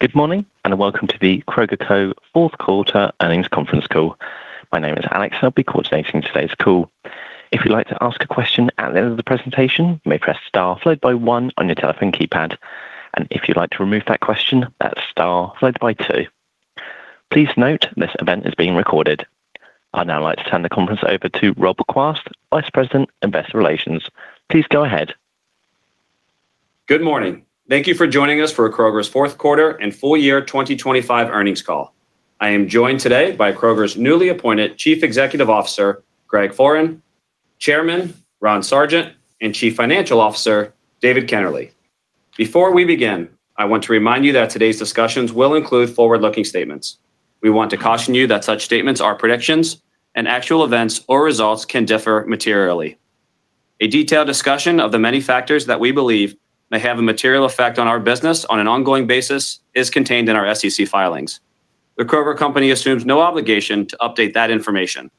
Good morning, and welcome to The Kroger Co. fourth quarter earnings conference call. My name is Alex, I'll be coordinating today's call. If you'd like to ask a question at the end of the presentation, you may press star followed by one on your telephone keypad. If you'd like to remove that question, that's star followed by two. Please note this event is being recorded. I'd now like to turn the conference over to Rob Quast, Vice President, Investor Relations. Please go ahead. Good morning. Thank you for joining us for Kroger's Q4 and full year 2025 earnings call. I am joined today by Kroger's newly appointed Chief Executive Officer, Greg Foran, Chairman, Ronald Sargent, and Chief Financial Officer, David Kennerley. Before we begin, I want to remind you that today's discussions will include forward-looking statements. We want to caution you that such statements are predictions and actual events or results can differ materially. A detailed discussion of the many factors that we believe may have a material effect on our business on an ongoing basis is contained in our SEC filings. The Kroger company assumes no obligation to update that information.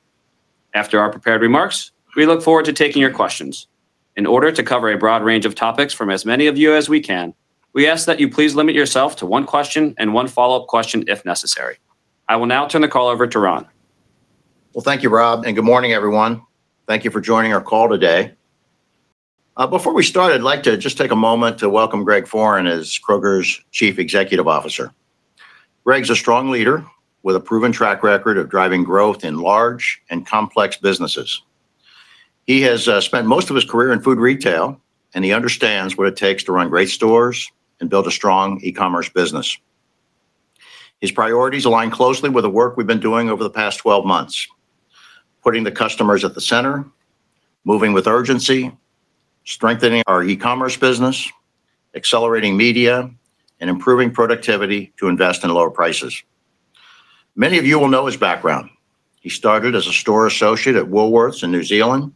After our prepared remarks, we look forward to taking your questions. In order to cover a broad range of topics from as many of you as we can, we ask that you please limit yourself to one question and one follow-up question if necessary. I will now turn the call over to Ron. Well, thank you, Rob, and good morning, everyone. Thank you for joining our call today. Before we start, I'd like to just take a moment to welcome Greg Foran as Kroger's Chief Executive Officer. Greg's a strong leader with a proven track record of driving growth in large and complex businesses. He has spent most of his career in food retail, and he understands what it takes to run great stores and build a strong e-commerce business. His priorities align closely with the work we've been doing over the past 12 months: putting the customers at the center, moving with urgency, strengthening our e-commerce business, accelerating media, and improving productivity to invest in lower prices. Many of you will know his background. He started as a store associate at Woolworths in New Zealand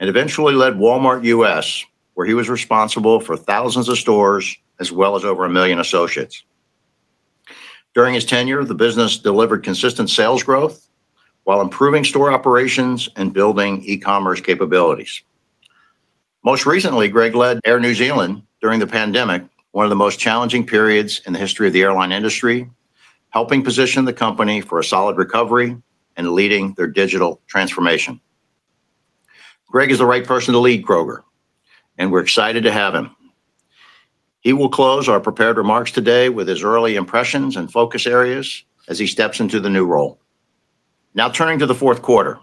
and eventually led Walmart US, where he was responsible for thousands of stores as well as over a million associates. During his tenure, the business delivered consistent sales growth while improving store operations and building e-commerce capabilities. Most recently, Greg led Air New Zealand during the pandemic, one of the most challenging periods in the history of the airline industry, helping position the company for a solid recovery and leading their digital transformation. Greg is the right person to lead Kroger. We're excited to have him. He will close our prepared remarks today with his early impressions and focus areas as he steps into the new role. Now turning to the Q4.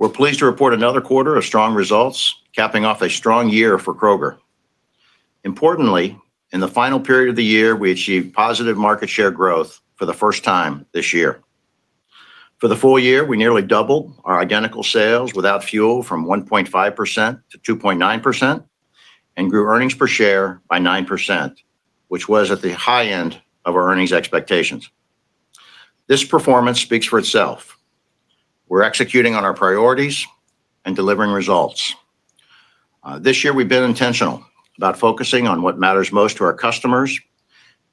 We're pleased to report another quarter of strong results, capping off a strong year for Kroger. Importantly, in the final period of the year, we achieved positive market share growth for the first time this year. For the full year, we nearly doubled our identical sales without fuel from 1.5% to 2.9% and grew earnings per share by 9%, which was at the high end of our earnings expectations. This performance speaks for itself. We're executing on our priorities and delivering results. This year we've been intentional about focusing on what matters most to our customers.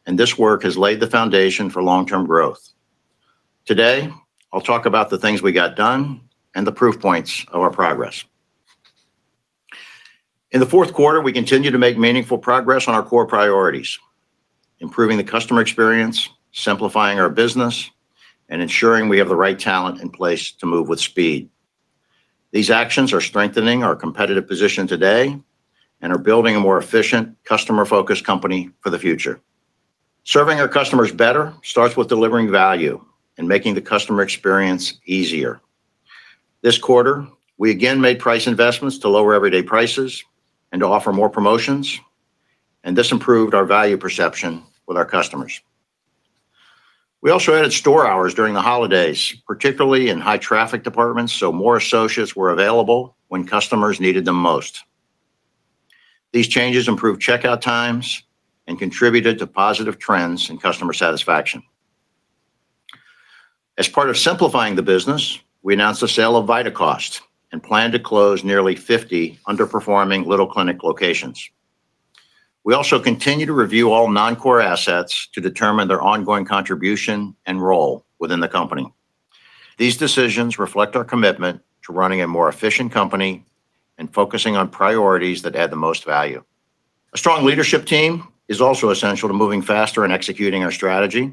This work has laid the foundation for long-term growth. Today, I'll talk about the things we got done and the proof points of our progress. In the Q4, we continued to make meaningful progress on our core priorities: improving the customer experience, simplifying our business, and ensuring we have the right talent in place to move with speed. These actions are strengthening our competitive position today and are building a more efficient, customer-focused company for the future. Serving our customers better starts with delivering value and making the customer experience easier. This quarter, we again made price investments to lower everyday prices and to offer more promotions. This improved our value perception with our customers. We also added store hours during the holidays, particularly in high traffic departments. More associates were available when customers needed them most. These changes improved checkout times and contributed to positive trends in customer satisfaction. As part of simplifying the business, we announced the sale of Vitacost and plan to close nearly 50 underperforming Little Clinic locations. We also continue to review all non-core assets to determine their ongoing contribution and role within the company. These decisions reflect our commitment to running a more efficient company and focusing on priorities that add the most value. A strong leadership team is also essential to moving faster and executing our strategy.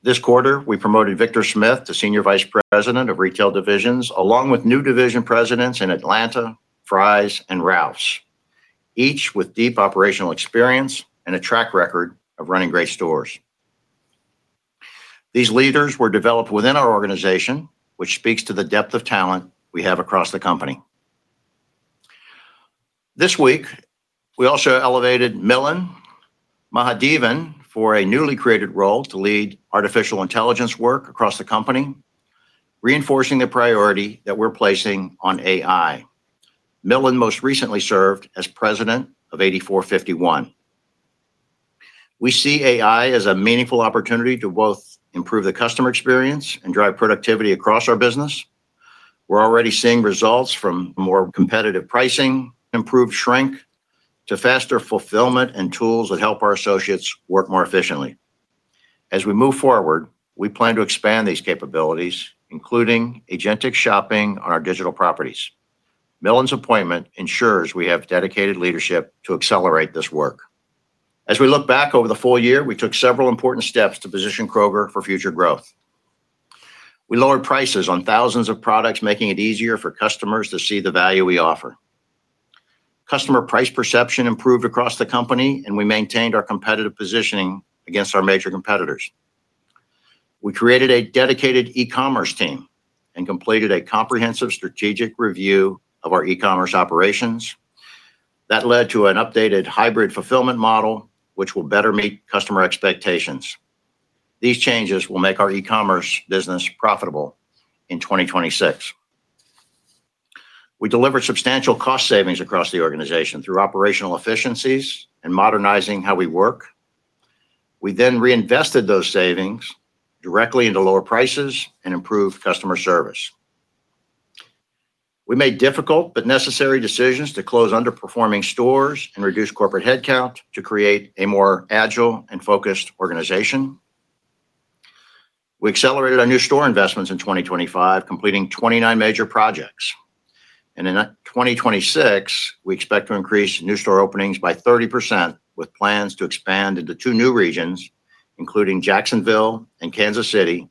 This quarter, we promoted Victor Smith to Senior Vice President of Retail Divisions, along with new division presidents in Atlanta, Fry's, and Ralphs, each with deep operational experience and a track record of running great stores. These leaders were developed within our organization, which speaks to the depth of talent we have across the company. This week, we also elevated Milind Mahadevan for a newly created role to lead artificial intelligence work across the company, reinforcing the priority that we're placing on AI. Milind most recently served as president of 84.51. We see AI as a meaningful opportunity to both improve the customer experience and drive productivity across our business. We're already seeing results from more competitive pricing, improved shrink to faster fulfillment and tools that help our associates work more efficiently. As we move forward, we plan to expand these capabilities, including agentic shopping on our digital properties. Milind's appointment ensures we have dedicated leadership to accelerate this work. As we look back over the full year, we took several important steps to position Kroger for future growth. We lowered prices on thousands of products, making it easier for customers to see the value we offer. Customer price perception improved across the company, we maintained our competitive positioning against our major competitors. We created a dedicated e-commerce team and completed a comprehensive strategic review of our e-commerce operations that led to an updated hybrid fulfillment model which will better meet customer expectations. These changes will make our e-commerce business profitable in 2026. We delivered substantial cost savings across the organization through operational efficiencies and modernizing how we work. We reinvested those savings directly into lower prices and improved customer service. We made difficult but necessary decisions to close underperforming stores and reduce corporate headcount to create a more agile and focused organization. We accelerated our new store investments in 2025, completing 29 major projects. In 2026, we expect to increase new store openings by 30% with plans to expand into two new regions, including Jacksonville and Kansas City,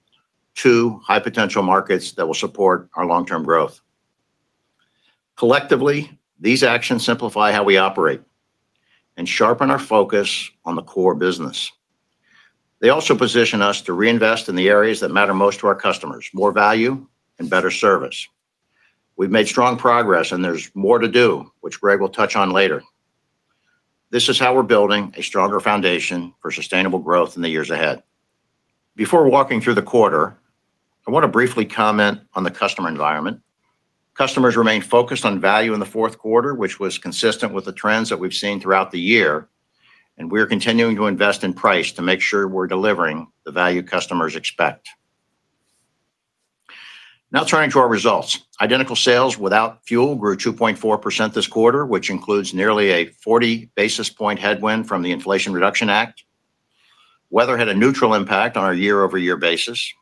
two high-potential markets that will support our long-term growth. Collectively, these actions simplify how we operate and sharpen our focus on the core business. They also position us to reinvest in the areas that matter most to our customers, more value and better service. We've made strong progress, and there's more to do, which Greg will touch on later. This is how we're building a stronger foundation for sustainable growth in the years ahead. Before walking through the quarter, I want to briefly comment on the customer environment. Customers remained focused on value in the Q4, which was consistent with the trends that we've seen throughout the year, and we're continuing to invest in price to make sure we're delivering the value customers expect. Turning to our results. Identical sales without fuel grew 2.4% this quarter, which includes nearly a 40 basis point headwind from the Inflation Reduction Act. Weather had a neutral impact on a year-over-year basis.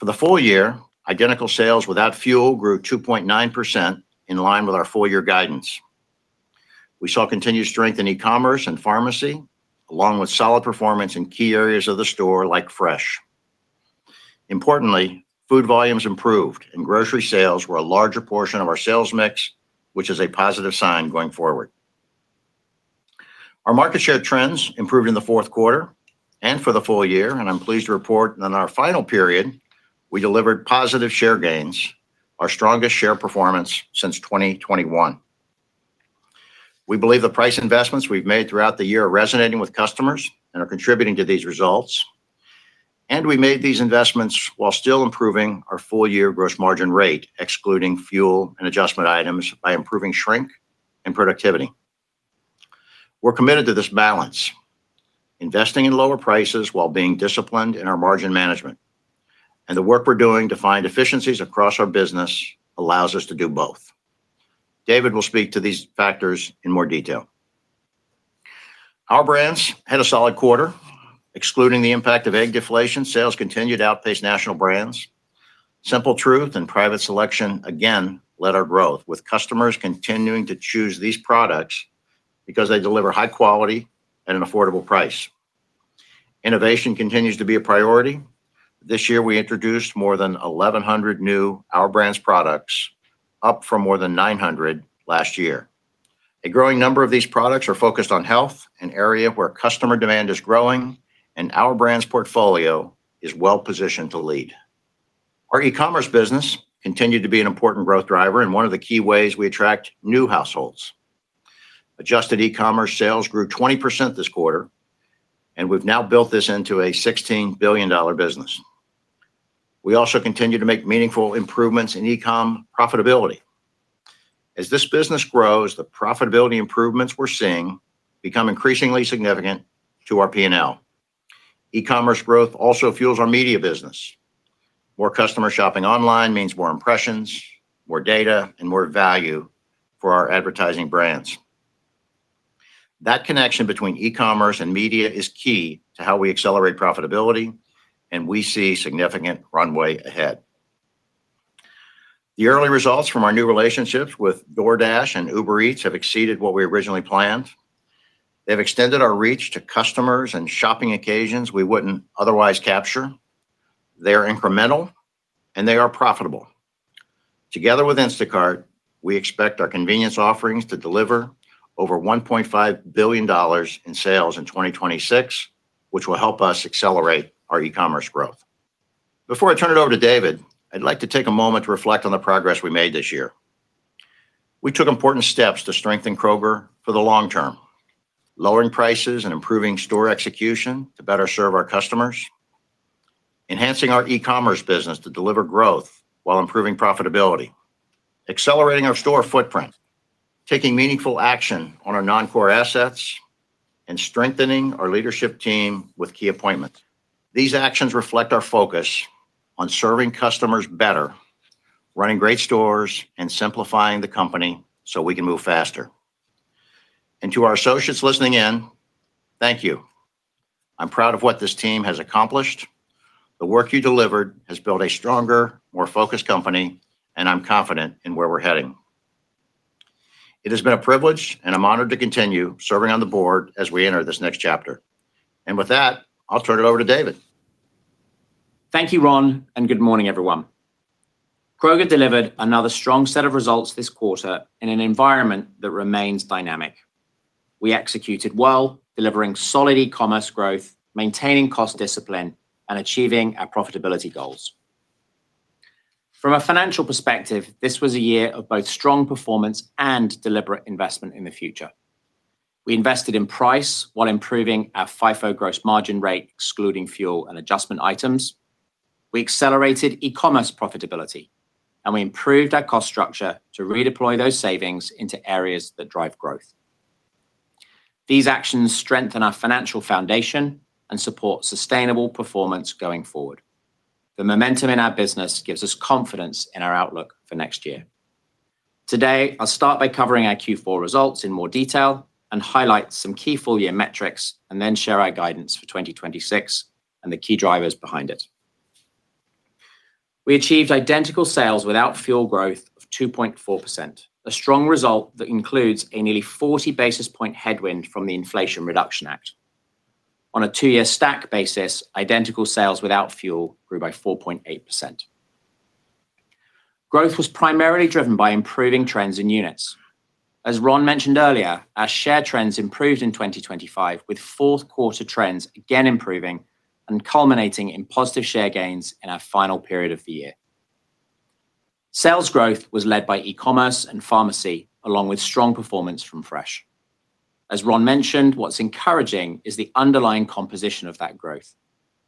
For the full year, identical sales without fuel grew 2.9% in line with our full year guidance. We saw continued strength in e-commerce and pharmacy, along with solid performance in key areas of the store like fresh. Importantly, food volumes improved and grocery sales were a larger portion of our sales mix, which is a positive sign going forward. Our market share trends improved in the Q4 and for the full year, and I'm pleased to report in our final period, we delivered positive share gains, our strongest share performance since 2021. We believe the price investments we've made throughout the year are resonating with customers and are contributing to these results, and we made these investments while still improving our full-year gross margin rate, excluding fuel and adjustment items by improving shrink and productivity. We're committed to this balance, investing in lower prices while being disciplined in our margin management. The work we're doing to find efficiencies across our business allows us to do both. David will speak to these factors in more detail. Our Brands had a solid quarter. Excluding the impact of egg deflation, sales continued to outpace national brands. Simple Truth and Private Selection again led our growth, with customers continuing to choose these products because they deliver high quality at an affordable price. Innovation continues to be a priority. This year, we introduced more than 1,100 new Our Brands products, up from more than 900 last year. A growing number of these products are focused on health, an area where customer demand is growing, and Our Brands portfolio is well-positioned to lead. Our e-commerce business continued to be an important growth driver and one of the key ways we attract new households. Adjusted e-commerce sales grew 20% this quarter, and we've now built this into a $16 billion business. We also continue to make meaningful improvements in e-com profitability. As this business grows, the profitability improvements we're seeing become increasingly significant to our P&L. E-commerce growth also fuels our media business. More customer shopping online means more impressions, more data, and more value for our advertising brands. That connection between e-commerce and media is key to how we accelerate profitability, and we see significant runway ahead. The early results from our new relationships with DoorDash and Uber Eats have exceeded what we originally planned. They've extended our reach to customers and shopping occasions we wouldn't otherwise capture. They are incremental, and they are profitable. Together with Instacart, we expect our convenience offerings to deliver over $1.5 billion in sales in 2026, which will help us accelerate our e-commerce growth. Before I turn it over to David, I'd like to take a moment to reflect on the progress we made this year. We took important steps to strengthen Kroger for the long term, lowering prices and improving store execution to better serve our customers, enhancing our e-commerce business to deliver growth while improving profitability, accelerating our store footprint, taking meaningful action on our non-core assets, and strengthening our leadership team with key appointments. To our associates listening in, thank you. I'm proud of what this team has accomplished. The work you delivered has built a stronger, more focused company, and I'm confident in where we're heading. It has been a privilege, and I'm honored to continue serving on the board as we enter this next chapter. With that, I'll turn it over to David. Thank you, Ron, and good morning, everyone. Kroger delivered another strong set of results this Q4 in an environment that remains dynamic. We executed well, delivering solid e-commerce growth, maintaining cost discipline, and achieving our profitability goals. From a financial perspective, this was a year of both strong performance and deliberate investment in the future. We invested in price while improving our FIFO gross margin rate, excluding fuel and adjustment items. We accelerated e-commerce profitability, and we improved our cost structure to redeploy those savings into areas that drive growth. These actions strengthen our financial foundation and support sustainable performance going forward. The momentum in our business gives us confidence in our outlook for next year. Today, I'll start by covering our Q4 results in more detail and highlight some key full year metrics, and then share our guidance for 2026 and the key drivers behind it. We achieved identical sales without fuel growth of 2.4%, a strong result that includes a nearly 40 basis point headwind from the Inflation Reduction Act. On a two year stack basis, identical sales without fuel grew by 4.8%. Growth was primarily driven by improving trends in units. As Ron mentioned earlier, our share trends improved in 2025, with Q4 trends again improving and culminating in positive share gains in our final period of the year. Sales growth was led by e-commerce and pharmacy, along with strong performance from Fresh. As Ron mentioned, what's encouraging is the underlying composition of that growth.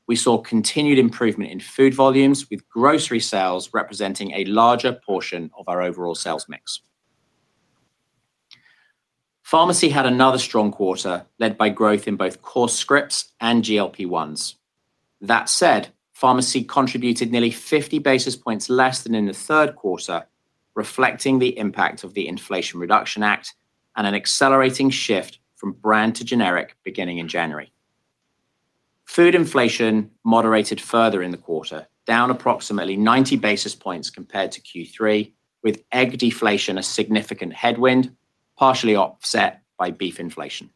We saw continued improvement in food volumes, with grocery sales representing a larger portion of our overall sales mix. Pharmacy had another strong quarter, led by growth in both core scripts and GLP-1s. That said, pharmacy contributed nearly 50 basis points less than in the Q3, reflecting the impact of the Inflation Reduction Act and an accelerating shift from brand to generic beginning in January. Food inflation moderated further in the quarter, down approximately 90 basis points compared to Q3, with egg deflation a significant headwind, partially offset by beef inflation.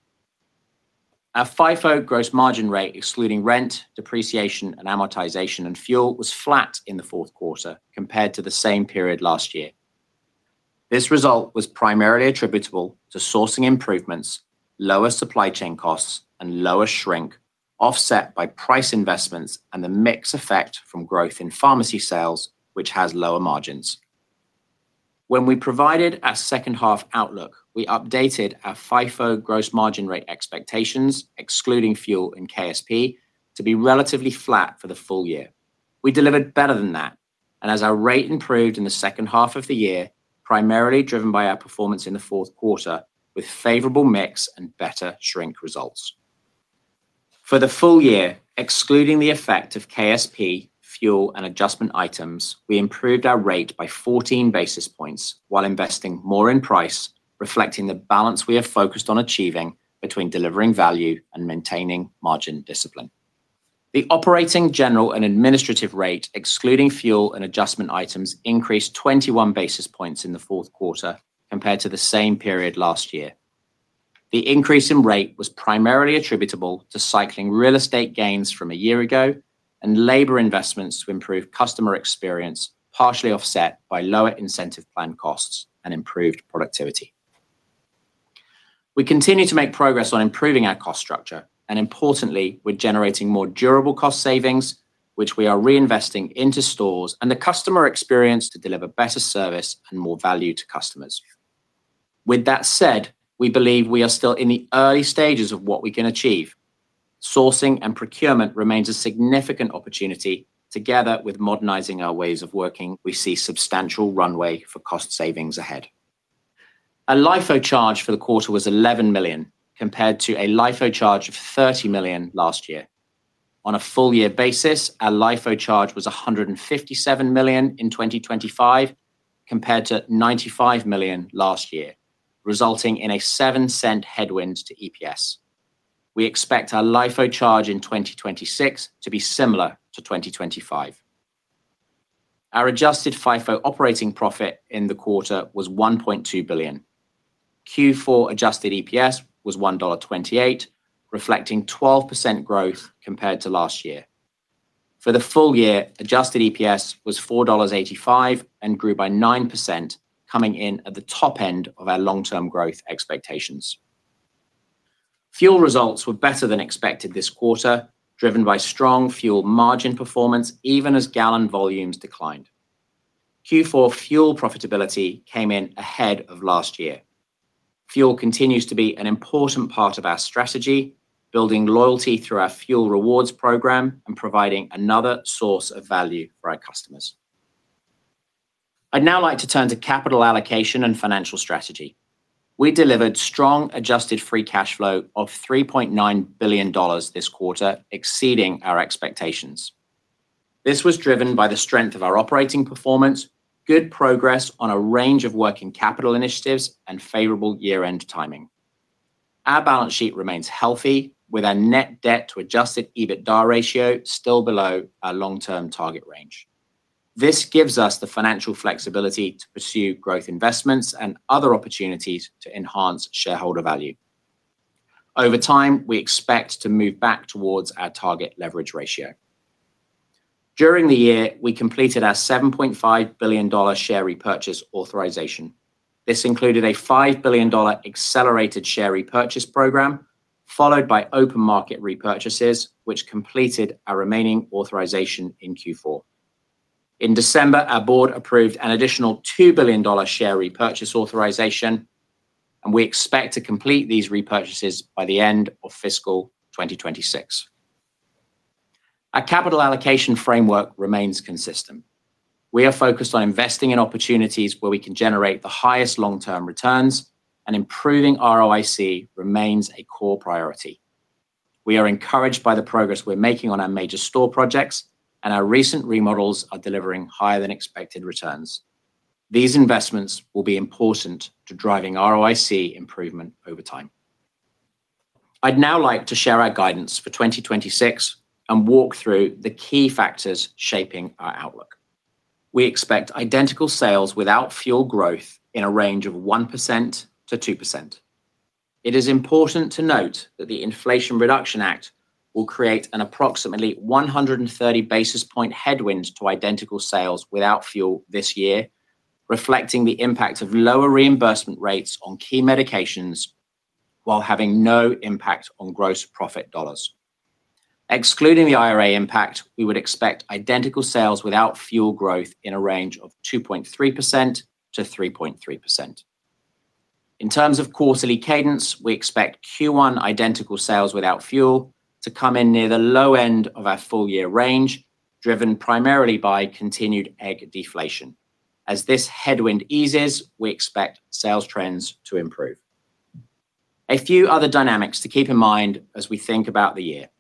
Our FIFO gross margin rate, excluding rent, depreciation, and amortization, and fuel, was flat in the Q4 compared to the same period last year. This result was primarily attributable to sourcing improvements, lower supply chain costs, and lower shrink, offset by price investments and the mix effect from growth in pharmacy sales, which has lower margins. When we provided our second half outlook, we updated our FIFO gross margin rate expectations, excluding fuel and KSP, to be relatively flat for the full year. We delivered better than that. As our rate improved in the second half of the year, primarily driven by our performance in the Q4, with favorable mix and better shrink results. For the full year, excluding the effect of KSP, fuel, and adjustment items, we improved our rate by 14 basis points while investing more in price, reflecting the balance we have focused on achieving between delivering value and maintaining margin discipline. The operating, general, and administrative rate, excluding fuel and adjustment items, increased 21 basis points in the Q4 compared to the same period last year. The increase in rate was primarily attributable to cycling real estate gains from a year ago and labor investments to improve customer experience, partially offset by lower incentive plan costs and improved productivity. We continue to make progress on improving our cost structure, and importantly, we're generating more durable cost savings, which we are reinvesting into stores and the customer experience to deliver better service and more value to customers. With that said, we believe we are still in the early stages of what we can achieve. Sourcing and procurement remains a significant opportunity. Together with modernizing our ways of working, we see substantial runway for cost savings ahead. Our LIFO charge for the quarter was $11 million, compared to a LIFO charge of $30 million last year. On a full year basis, our LIFO charge was $157 million in 2025, compared to $95 million last year, resulting in a $0.07 headwind to EPS. We expect our LIFO charge in 2026 to be similar to 2025. Our adjusted FIFO operating profit in the quarter was $1.2 billion. Q4 adjusted EPS was $1.28, reflecting 12% growth compared to last year. For the full year, adjusted EPS was $4.85 and grew by 9%, coming in at the top end of our long-term growth expectations. Fuel results were better than expected this quarter, driven by strong fuel margin performance, even as gallon volumes declined. Q4 fuel profitability came in ahead of last year. Fuel continues to be an important part of our strategy, building loyalty through our fuel rewards program and providing another source of value for our customers. I'd now like to turn to capital allocation and financial strategy. We delivered strong adjusted free cash flow of $3.9 billion this quarter, exceeding our expectations. This was driven by the strength of our operating performance, good progress on a range of working capital initiatives, and favorable year-end timing. Our balance sheet remains healthy with our net debt to adjusted EBITDA ratio still below our long-term target range. This gives us the financial flexibility to pursue growth investments and other opportunities to enhance shareholder value. Over time, we expect to move back towards our target leverage ratio. During the year, we completed our $7.5 billion share repurchase authorization. This included a $5 billion accelerated share repurchase program, followed by open market repurchases, which completed our remaining authorization in Q4. In December, our board approved an additional $2 billion share repurchase authorization. We expect to complete these repurchases by the end of fiscal 2026. Our capital allocation framework remains consistent. We are focused on investing in opportunities where we can generate the highest long-term returns and improving ROIC remains a core priority. We are encouraged by the progress we're making on our major store projects and our recent remodels are delivering higher than expected returns. These investments will be important to driving ROIC improvement over time. I'd now like to share our guidance for 2026 and walk through the key factors shaping our outlook. We expect identical sales without fuel growth in a range of 1%-2%. It is important to note that the Inflation Reduction Act will create an approximately 130 basis point headwind to identical sales without fuel this year, reflecting the impact of lower reimbursement rates on key medications while having no impact on gross profit dollars. Excluding the IRA impact, we would expect identical sales without fuel growth in a range of 2.3%-3.3%. In terms of quarterly cadence, we expect Q1 identical sales without fuel to come in near the low end of our full year range, driven primarily by continued egg deflation. As this headwind eases, we expect sales trends to improve. A few other dynamics to keep in mind as we think about the year.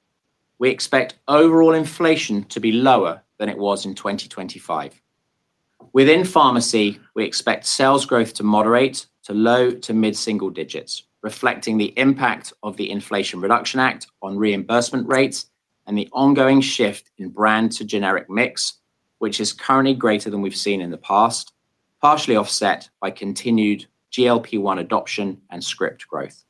We expect overall inflation to be lower than it was in 2025. Within pharmacy, we expect sales growth to moderate to low to mid single digits, reflecting the impact of the Inflation Reduction Act on reimbursement rates and the ongoing shift in brand to generic mix, which is currently greater than we've seen in the past, partially offset by continued GLP-1 adoption and script growth.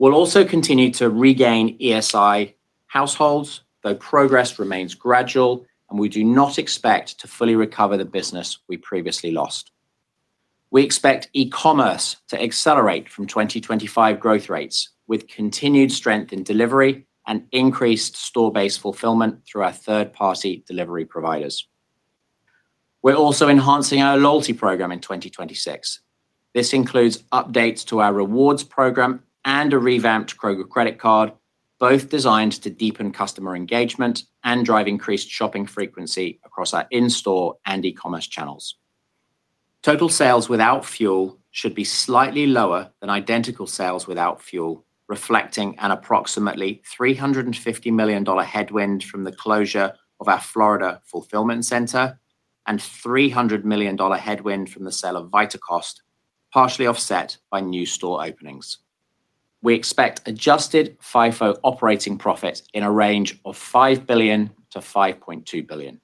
We'll also continue to regain ESI households, though progress remains gradual, and we do not expect to fully recover the business we previously lost. We expect e-commerce to accelerate from 2025 growth rates with continued strength in delivery and increased store-based fulfillment through our third-party delivery providers. We're also enhancing our loyalty program in 2026. This includes updates to our rewards program and a revamped Kroger credit card, both designed to deepen customer engagement and drive increased shopping frequency across our in-store and e-commerce channels. Total sales without fuel should be slightly lower than identical sales without fuel, reflecting an approximately $350 million headwind from the closure of our Florida fulfillment center and $300 million headwind from the sale of Vitacost, partially offset by new store openings. We expect adjusted FIFO operating profit in a range of $5 billion-$5.2 billion.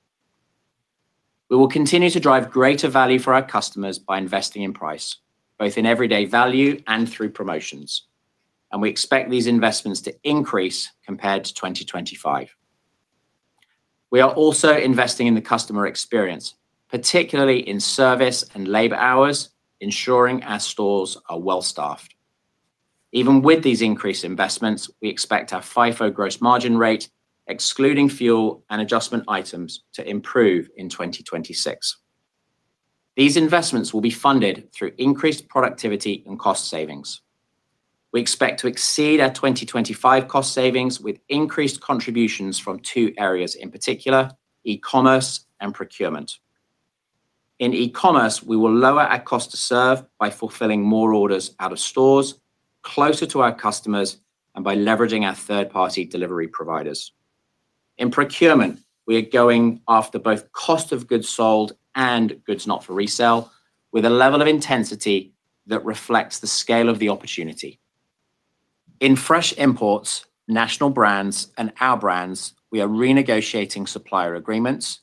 We will continue to drive greater value for our customers by investing in price, both in everyday value and through promotions, and we expect these investments to increase compared to 2025. We are also investing in the customer experience, particularly in service and labor hours, ensuring our stores are well-staffed. Even with these increased investments, we expect our FIFO gross margin rate, excluding fuel and adjustment items, to improve in 2026. These investments will be funded through increased productivity and cost savings. We expect to exceed our 2025 cost savings with increased contributions from two areas in particular: e-commerce and procurement. In e-commerce, we will lower our cost to serve by fulfilling more orders out of stores closer to our customers and by leveraging our third-party delivery providers. In procurement, we are going after both cost of goods sold and goods not for resale with a level of intensity that reflects the scale of the opportunity. In fresh imports, national brands, and Our Brands, we are renegotiating supplier agreements,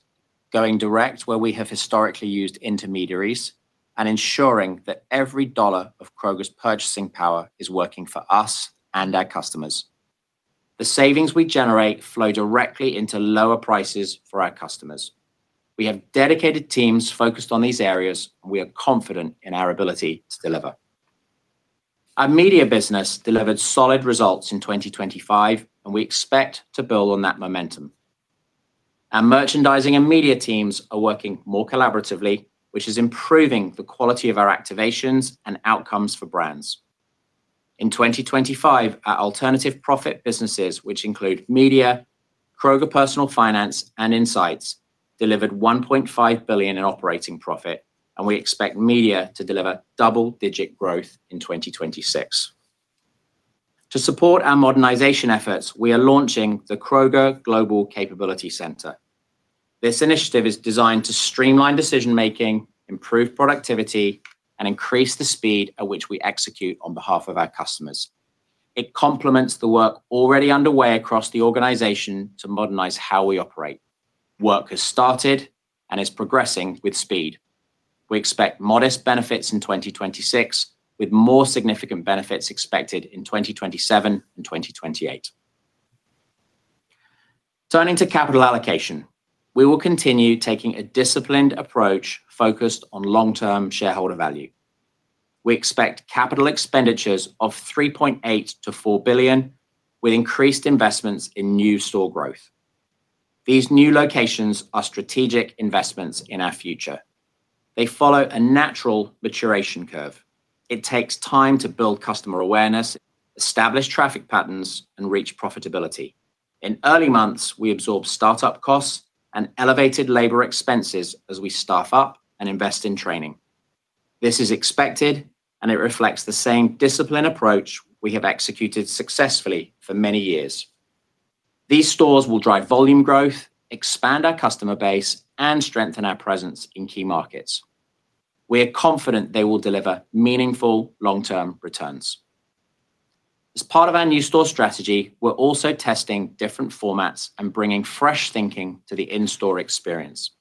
going direct where we have historically used intermediaries, and ensuring that every dollar of Kroger's purchasing power is working for us and our customers. The savings we generate flow directly into lower prices for our customers. We have dedicated teams focused on these areas, we are confident in our ability to deliver. Our media business delivered solid results in 2025, and we expect to build on that momentum. Our merchandising and media teams are working more collaboratively, which is improving the quality of our activations and outcomes for brands. In 2025, our alternative profit businesses, which include media, Kroger Personal Finance, and Insights, delivered $1.5 billion in operating profit, and we expect media to deliver double-digit growth in 2026. To support our modernization efforts, we are launching the Kroger Global Capability Center. This initiative is designed to streamline decision-making, improve productivity, and increase the speed at which we execute on behalf of our customers. It complements the work already underway across the organization to modernize how we operate. Work has started and is progressing with speed. We expect modest benefits in 2026, with more significant benefits expected in 2027 and 2028. Turning to capital allocation, we will continue taking a disciplined approach focused on long-term shareholder value. We expect capital expenditures of $3.8 billion-$4 billion, with increased investments in new store growth. These new locations are strategic investments in our future. They follow a natural maturation curve. It takes time to build customer awareness, establish traffic patterns, and reach profitability. In early months, we absorb startup costs and elevated labor expenses as we staff up and invest in training. This is expected, and it reflects the same disciplined approach we have executed successfully for many years. These stores will drive volume growth, expand our customer base, and strengthen our presence in key markets. We are confident they will deliver meaningful long-term returns. As part of our new store strategy, we're also testing different formats and bringing fresh thinking to the in-store experience.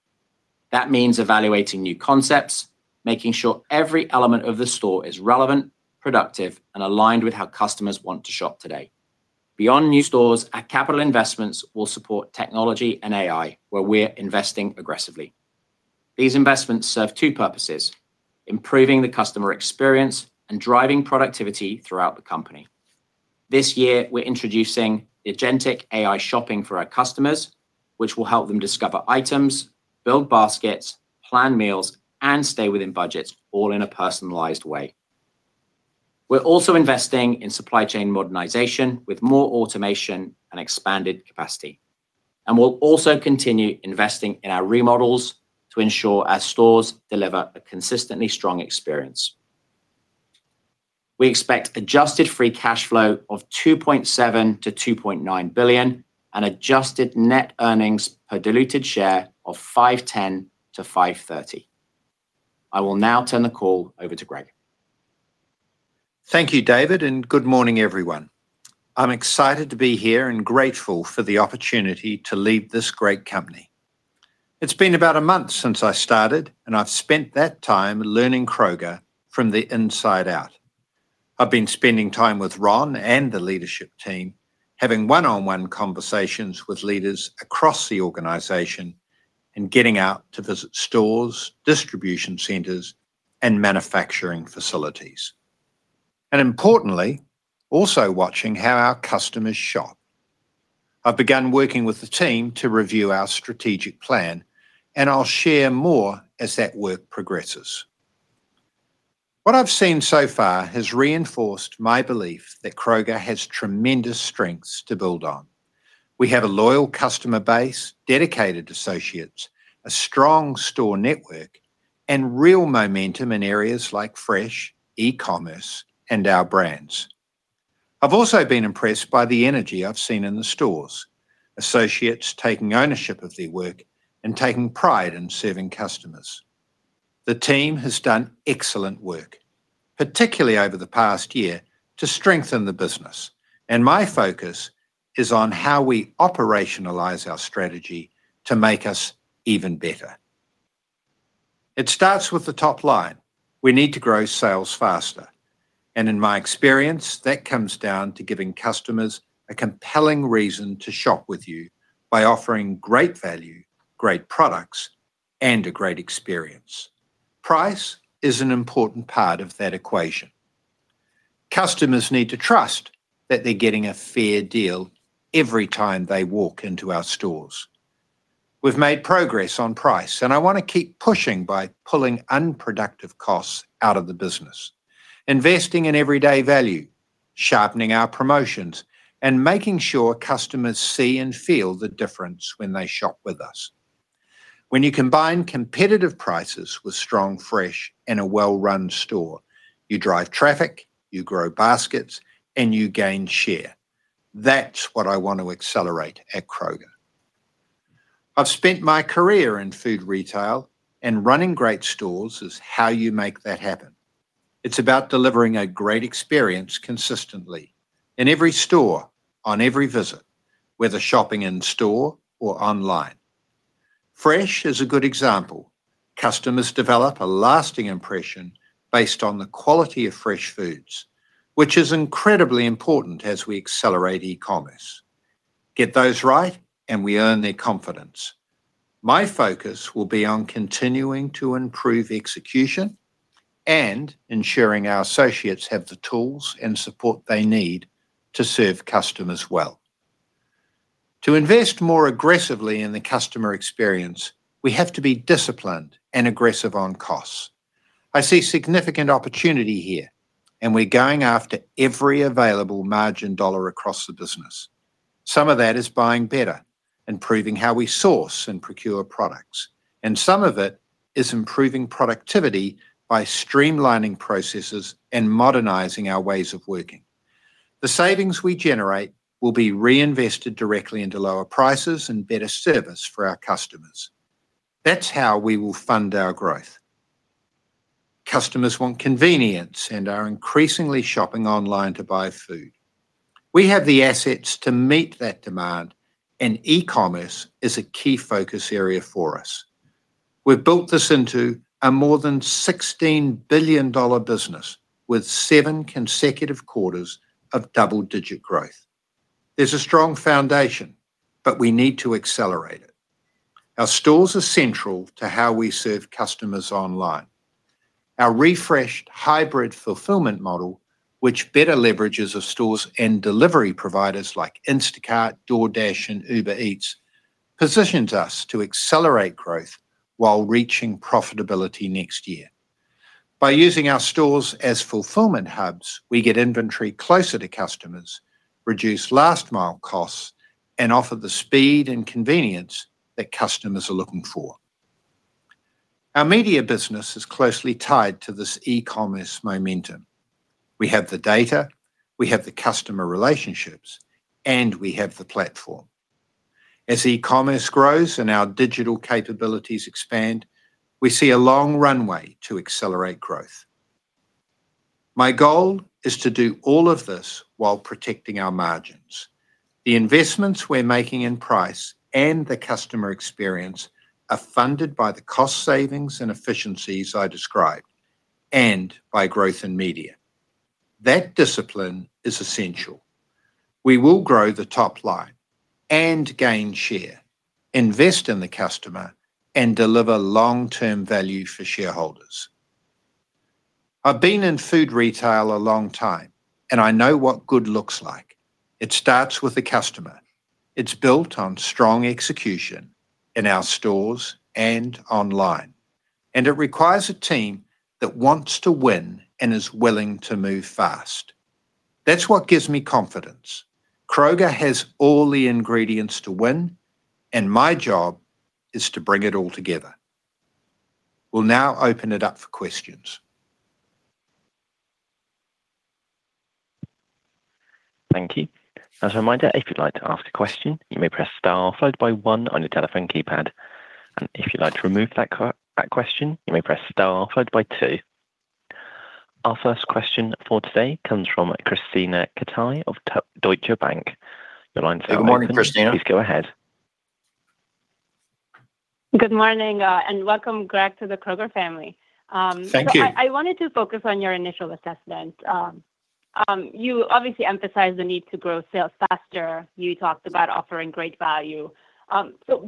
That means evaluating new concepts, making sure every element of the store is relevant, productive, and aligned with how customers want to shop today. Beyond new stores, our capital investments will support technology and AI, where we're investing aggressively. These investments serve two purposes: improving the customer experience and driving productivity throughout the company. This year, we're introducing agentic AI shopping for our customers, which will help them discover items, build baskets, plan meals, and stay within budgets, all in a personalized way. We're also investing in supply chain modernization with more automation and expanded capacity, and we'll also continue investing in our remodels to ensure our stores deliver a consistently strong experience. We expect adjusted free cash flow of $2.7 billion-$2.9 billion and adjusted net earnings per diluted share of $5.10-$5.30. I will now turn the call over to Greg. Thank you, David. Good morning, everyone. I'm excited to be here and grateful for the opportunity to lead this great company. It's been about a month since I started. I've spent that time learning Kroger from the inside out. I've been spending time with Ron and the leadership team, having one-on-one conversations with leaders across the organization and getting out to visit stores, distribution centers, and manufacturing facilities, and importantly, also watching how our customers shop. I've begun working with the team to review our strategic plan. I'll share more as that work progresses. What I've seen so far has reinforced my belief that Kroger has tremendous strengths to build on. We have a loyal customer base, dedicated associates, a strong store network, and real momentum in areas like fresh, e-commerce, and Our Brands. I've also been impressed by the energy I've seen in the stores, associates taking ownership of their work and taking pride in serving customers. The team has done excellent work, particularly over the past year, to strengthen the business, and my focus is on how we operationalize our strategy to make us even better. It starts with the top line. We need to grow sales faster, and in my experience, that comes down to giving customers a compelling reason to shop with you by offering great value, great products, and a great experience. Price is an important part of that equation. Customers need to trust that they're getting a fair deal every time they walk into our stores. We've made progress on price, and I want to keep pushing by pulling unproductive costs out of the business, investing in everyday value, sharpening our promotions, and making sure customers see and feel the difference when they shop with us. When you combine competitive prices with strong, fresh, and a well-run store, you drive traffic, you grow baskets, and you gain share. That's what I want to accelerate at Kroger. I've spent my career in food retail, and running great stores is how you make that happen. It's about delivering a great experience consistently in every store on every visit, whether shopping in store or online. Fresh is a good example. Customers develop a lasting impression based on the quality of fresh foods, which is incredibly important as we accelerate e-commerce. Get those right, and we earn their confidence. My focus will be on continuing to improve execution and ensuring our associates have the tools and support they need to serve customers well. To invest more aggressively in the customer experience, we have to be disciplined and aggressive on costs. I see significant opportunity here, and we're going after every available margin dollar across the business. Some of that is buying better and proving how we source and procure products, and some of it is improving productivity by streamlining processes and modernizing our ways of working. The savings we generate will be reinvested directly into lower prices and better service for our customers. That's how we will fund our growth. Customers want convenience and are increasingly shopping online to buy food. We have the assets to meet that demand, and e-commerce is a key focus area for us. We've built this into a more than $16 billion business with seven consecutive quarters of double-digit growth. There's a strong foundation. We need to accelerate it. Our stores are central to how we serve customers online. Our refreshed hybrid fulfillment model, which better leverages of stores and delivery providers like Instacart, DoorDash, and Uber Eats, positions us to accelerate growth while reaching profitability next year. By using our stores as fulfillment hubs, we get inventory closer to customers, reduce last mile costs, and offer the speed and convenience that customers are looking for. Our media business is closely tied to this e-commerce momentum. We have the data, we have the customer relationships, and we have the platform. E-commerce grows and our digital capabilities expand, we see a long runway to accelerate growth. My goal is to do all of this while protecting our margins. The investments we're making in price and the customer experience are funded by the cost savings and efficiencies I described and by growth in media. That discipline is essential. We will grow the top line and gain share, invest in the customer, and deliver long-term value for shareholders. I've been in food retail a long time, and I know what good looks like. It starts with the customer. It's built on strong execution in our stores and online, and it requires a team that wants to win and is willing to move fast. That's what gives me confidence. Kroger has all the ingredients to win, and my job is to bring it all together. We'll now open it up for questions. Thank you. As a reminder, if you'd like to ask a question, you may press star followed by one on your telephone keypad. If you'd like to remove that question, you may press star followed by two. Our first question for today comes from Krisztina Katai of Deutsche Bank. Your line is now open. Good morning, Krisztina. Please go ahead. Good morning, welcome, Greg, to the Kroger family. Thank you. I wanted to focus on your initial assessment. You obviously emphasized the need to grow sales faster. You talked about offering great value.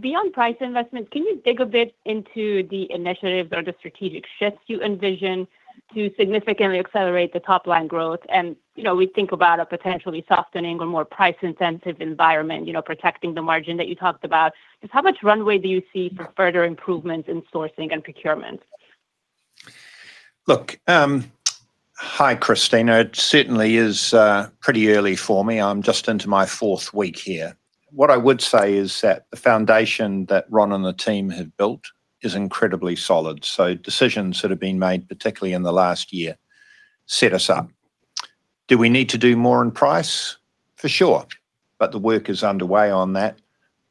Beyond price investment, can you dig a bit into the initiatives or the strategic shifts you envision to significantly accelerate the top line growth? You know, we think about a potentially softening or more price-intensive environment, you know, protecting the margin that you talked about. Just how much runway do you see for further improvements in sourcing and procurement? Look, hi, Krisztina. It certainly is pretty early for me. I'm just into my fourth week here. What I would say is that the foundation that Ron and the team have built is incredibly solid. Decisions that have been made, particularly in the last year, set us up. Do we need to do more in price? For sure, but the work is underway on that.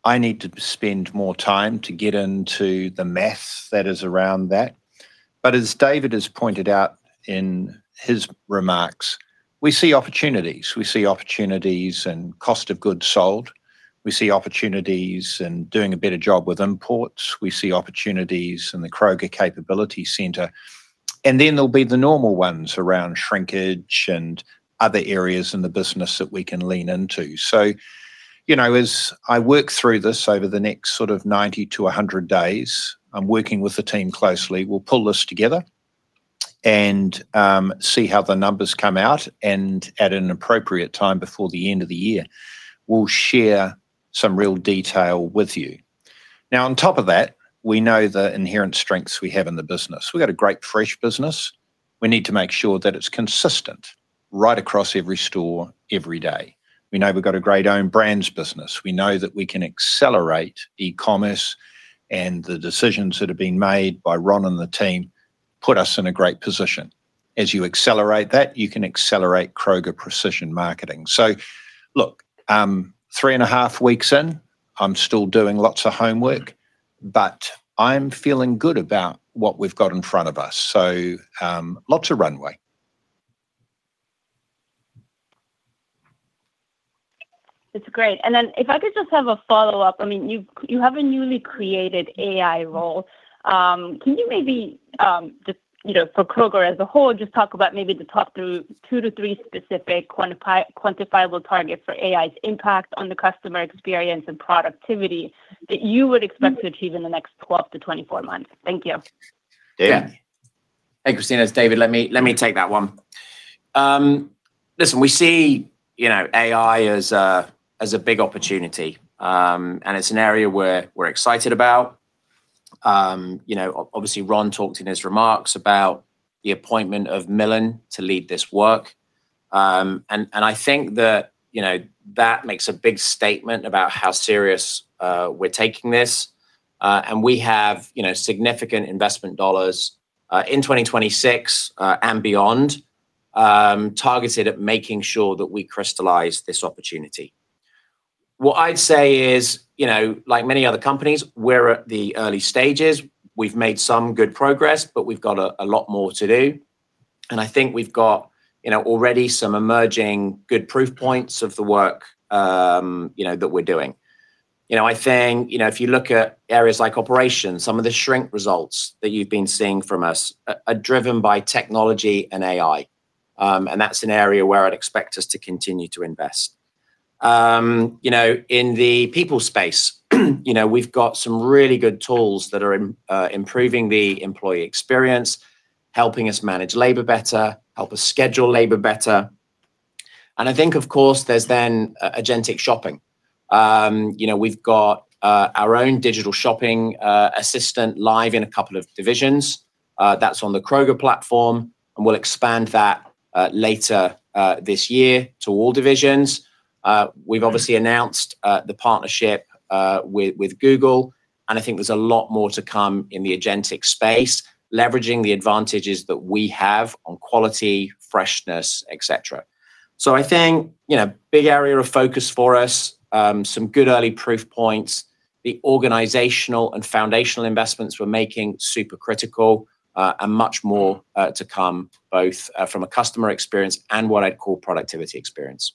I need to spend more time to get into the math that is around that. As David has pointed out in his remarks, we see opportunities. We see opportunities in cost of goods sold, we see opportunities in doing a better job with imports, we see opportunities in the Kroger Capability Center, and then there'll be the normal ones around shrinkage and other areas in the business that we can lean into. You know, as I work through this over the next sort of 90 to 100 days, I'm working with the team closely. We'll pull this together and see how the numbers come out, and at an appropriate time before the end of the year, we'll share some real detail with you. On top of that, we know the inherent strengths we have in the business. We've got a great fresh business. We need to make sure that it's consistent right across every store every day. We know we've got a great own brands business. We know that we can accelerate e-commerce, and the decisions that have been made by Ron and the team put us in a great position. As you accelerate that, you can accelerate Kroger Precision Marketing. Look, three and a half weeks in, I'm still doing lots of homework, but I'm feeling good about what we've got in front of us. Lots of runway. That's great. If I could just have a follow-up. I mean, you have a newly created AI role. Can you maybe, just, you know, for Kroger as a whole, just talk about maybe the top two, three specific quantifiable targets for AI's impact on the customer experience and productivity that you would expect to achieve in the next 12 to 24 months? Thank you. David? Yeah. Hey, Krisztina. It's David. Let me take that one. Listen, we see, you know, AI as a big opportunity. It's an area we're excited about. You know, obviously Ron talked in his remarks about the appointment of Milind to lead this work. I think that, you know, that makes a big statement about how serious we're taking this. We have, you know, significant investment dollars in 2026 and beyond, targeted at making sure that we crystallize this opportunity. What I'd say is, you know, like many other companies, we're at the early stages. We've made some good progress, but we've got a lot more to do. I think we've got, you know, already some emerging good proof points of the work, you know, that we're doing. You know, I think, you know, if you look at areas like operations, some of the shrink results that you've been seeing from us are driven by technology and AI. That's an area where I'd expect us to continue to invest. You know, in the people space, you know, we've got some really good tools that are improving the employee experience, helping us manage labor better, help us schedule labor better. I think, of course, there's then agentic shopping. You know, we've got our own digital shopping assistant live in a couple of divisions. That's on the Kroger platform, and we'll expand that later this year to all divisions. We've obviously announced, the partnership with Google. I think there's a lot more to come in the agentic space, leveraging the advantages that we have on quality, freshness, et cetera. I think, you know, big area of focus for us, some good early proof points. The organizational and foundational investments we're making, super critical, and much more to come, both from a customer experience and what I'd call productivity experience.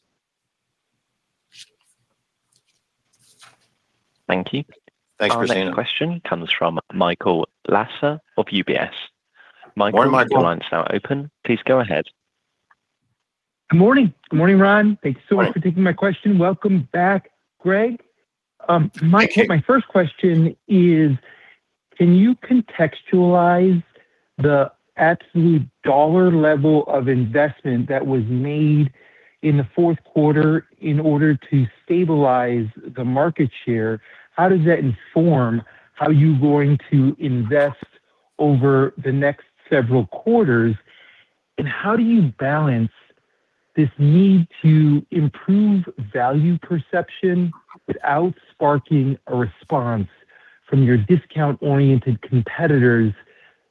Thank you. Thanks, Krisztina. Our next question comes from Michael Lasser of UBS. Morning, Michael. Michael, your line's now open. Please go ahead. Good morning. Good morning, Ron. Thanks so much for taking my question. Welcome back, Greg. My first question is, can you contextualize the absolute dollar level of investment that was made in the Q4 in order to stabilize the market share? How does that inform how you're going to invest over the next several quarters? How do you balance this need to improve value perception without sparking a response from your discount-oriented competitors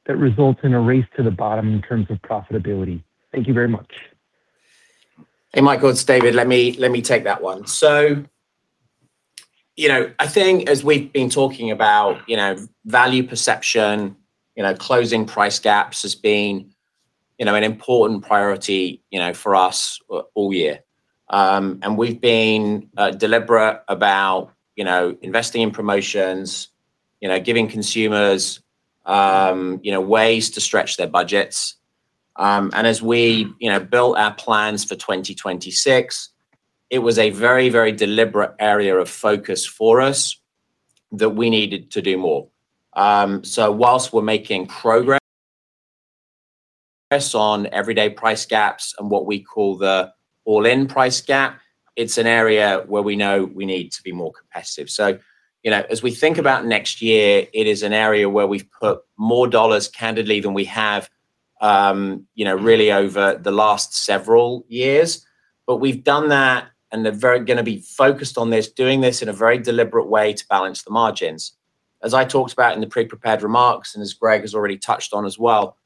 that results in a race to the bottom in terms of profitability? Thank you very much. Hey, Michael, it's David. Let me take that one. You know, I think as we've been talking about, you know, value perception, you know, closing price gaps as being, you know, an important priority, you know, for us all year. We've been deliberate about, you know, investing in promotions, you know, giving consumers, you know, ways to stretch their budgets. As we, you know, built our plans for 2026, it was a very deliberate area of focus for us that we needed to do more. Whilst we're making progress on everyday price gaps and what we call the all-in price gap, it's an area where we know we need to be more competitive. You know, as we think about next year, it is an area where we've put more dollars candidly than we have, you know, really over the last several years. We've done that, and they're gonna be focused on this, doing this in a very deliberate way to balance the margins. As I talked about in the pre-prepared remarks and as Greg has already touched on as well,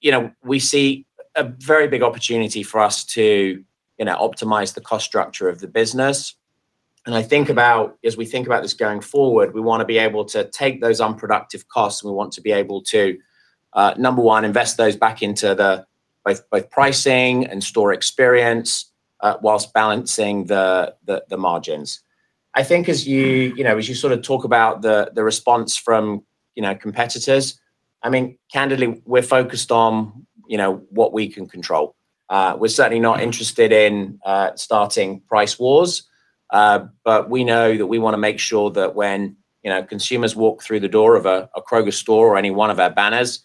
you know, we see a very big opportunity for us to, you know, optimize the cost structure of the business. I think about as we think about this going forward, we wanna be able to take those unproductive costs, and we want to be able to, number one, invest those back into the both pricing and store experience, whilst balancing the margins. I think as you know, as you sort of talk about the response from, you know, competitors, I mean, candidly, we're focused on, you know, what we can control. We're certainly not interested in starting price wars. We know that we wanna make sure that when, you know, consumers walk through the door of a Kroger store or any one of our banners,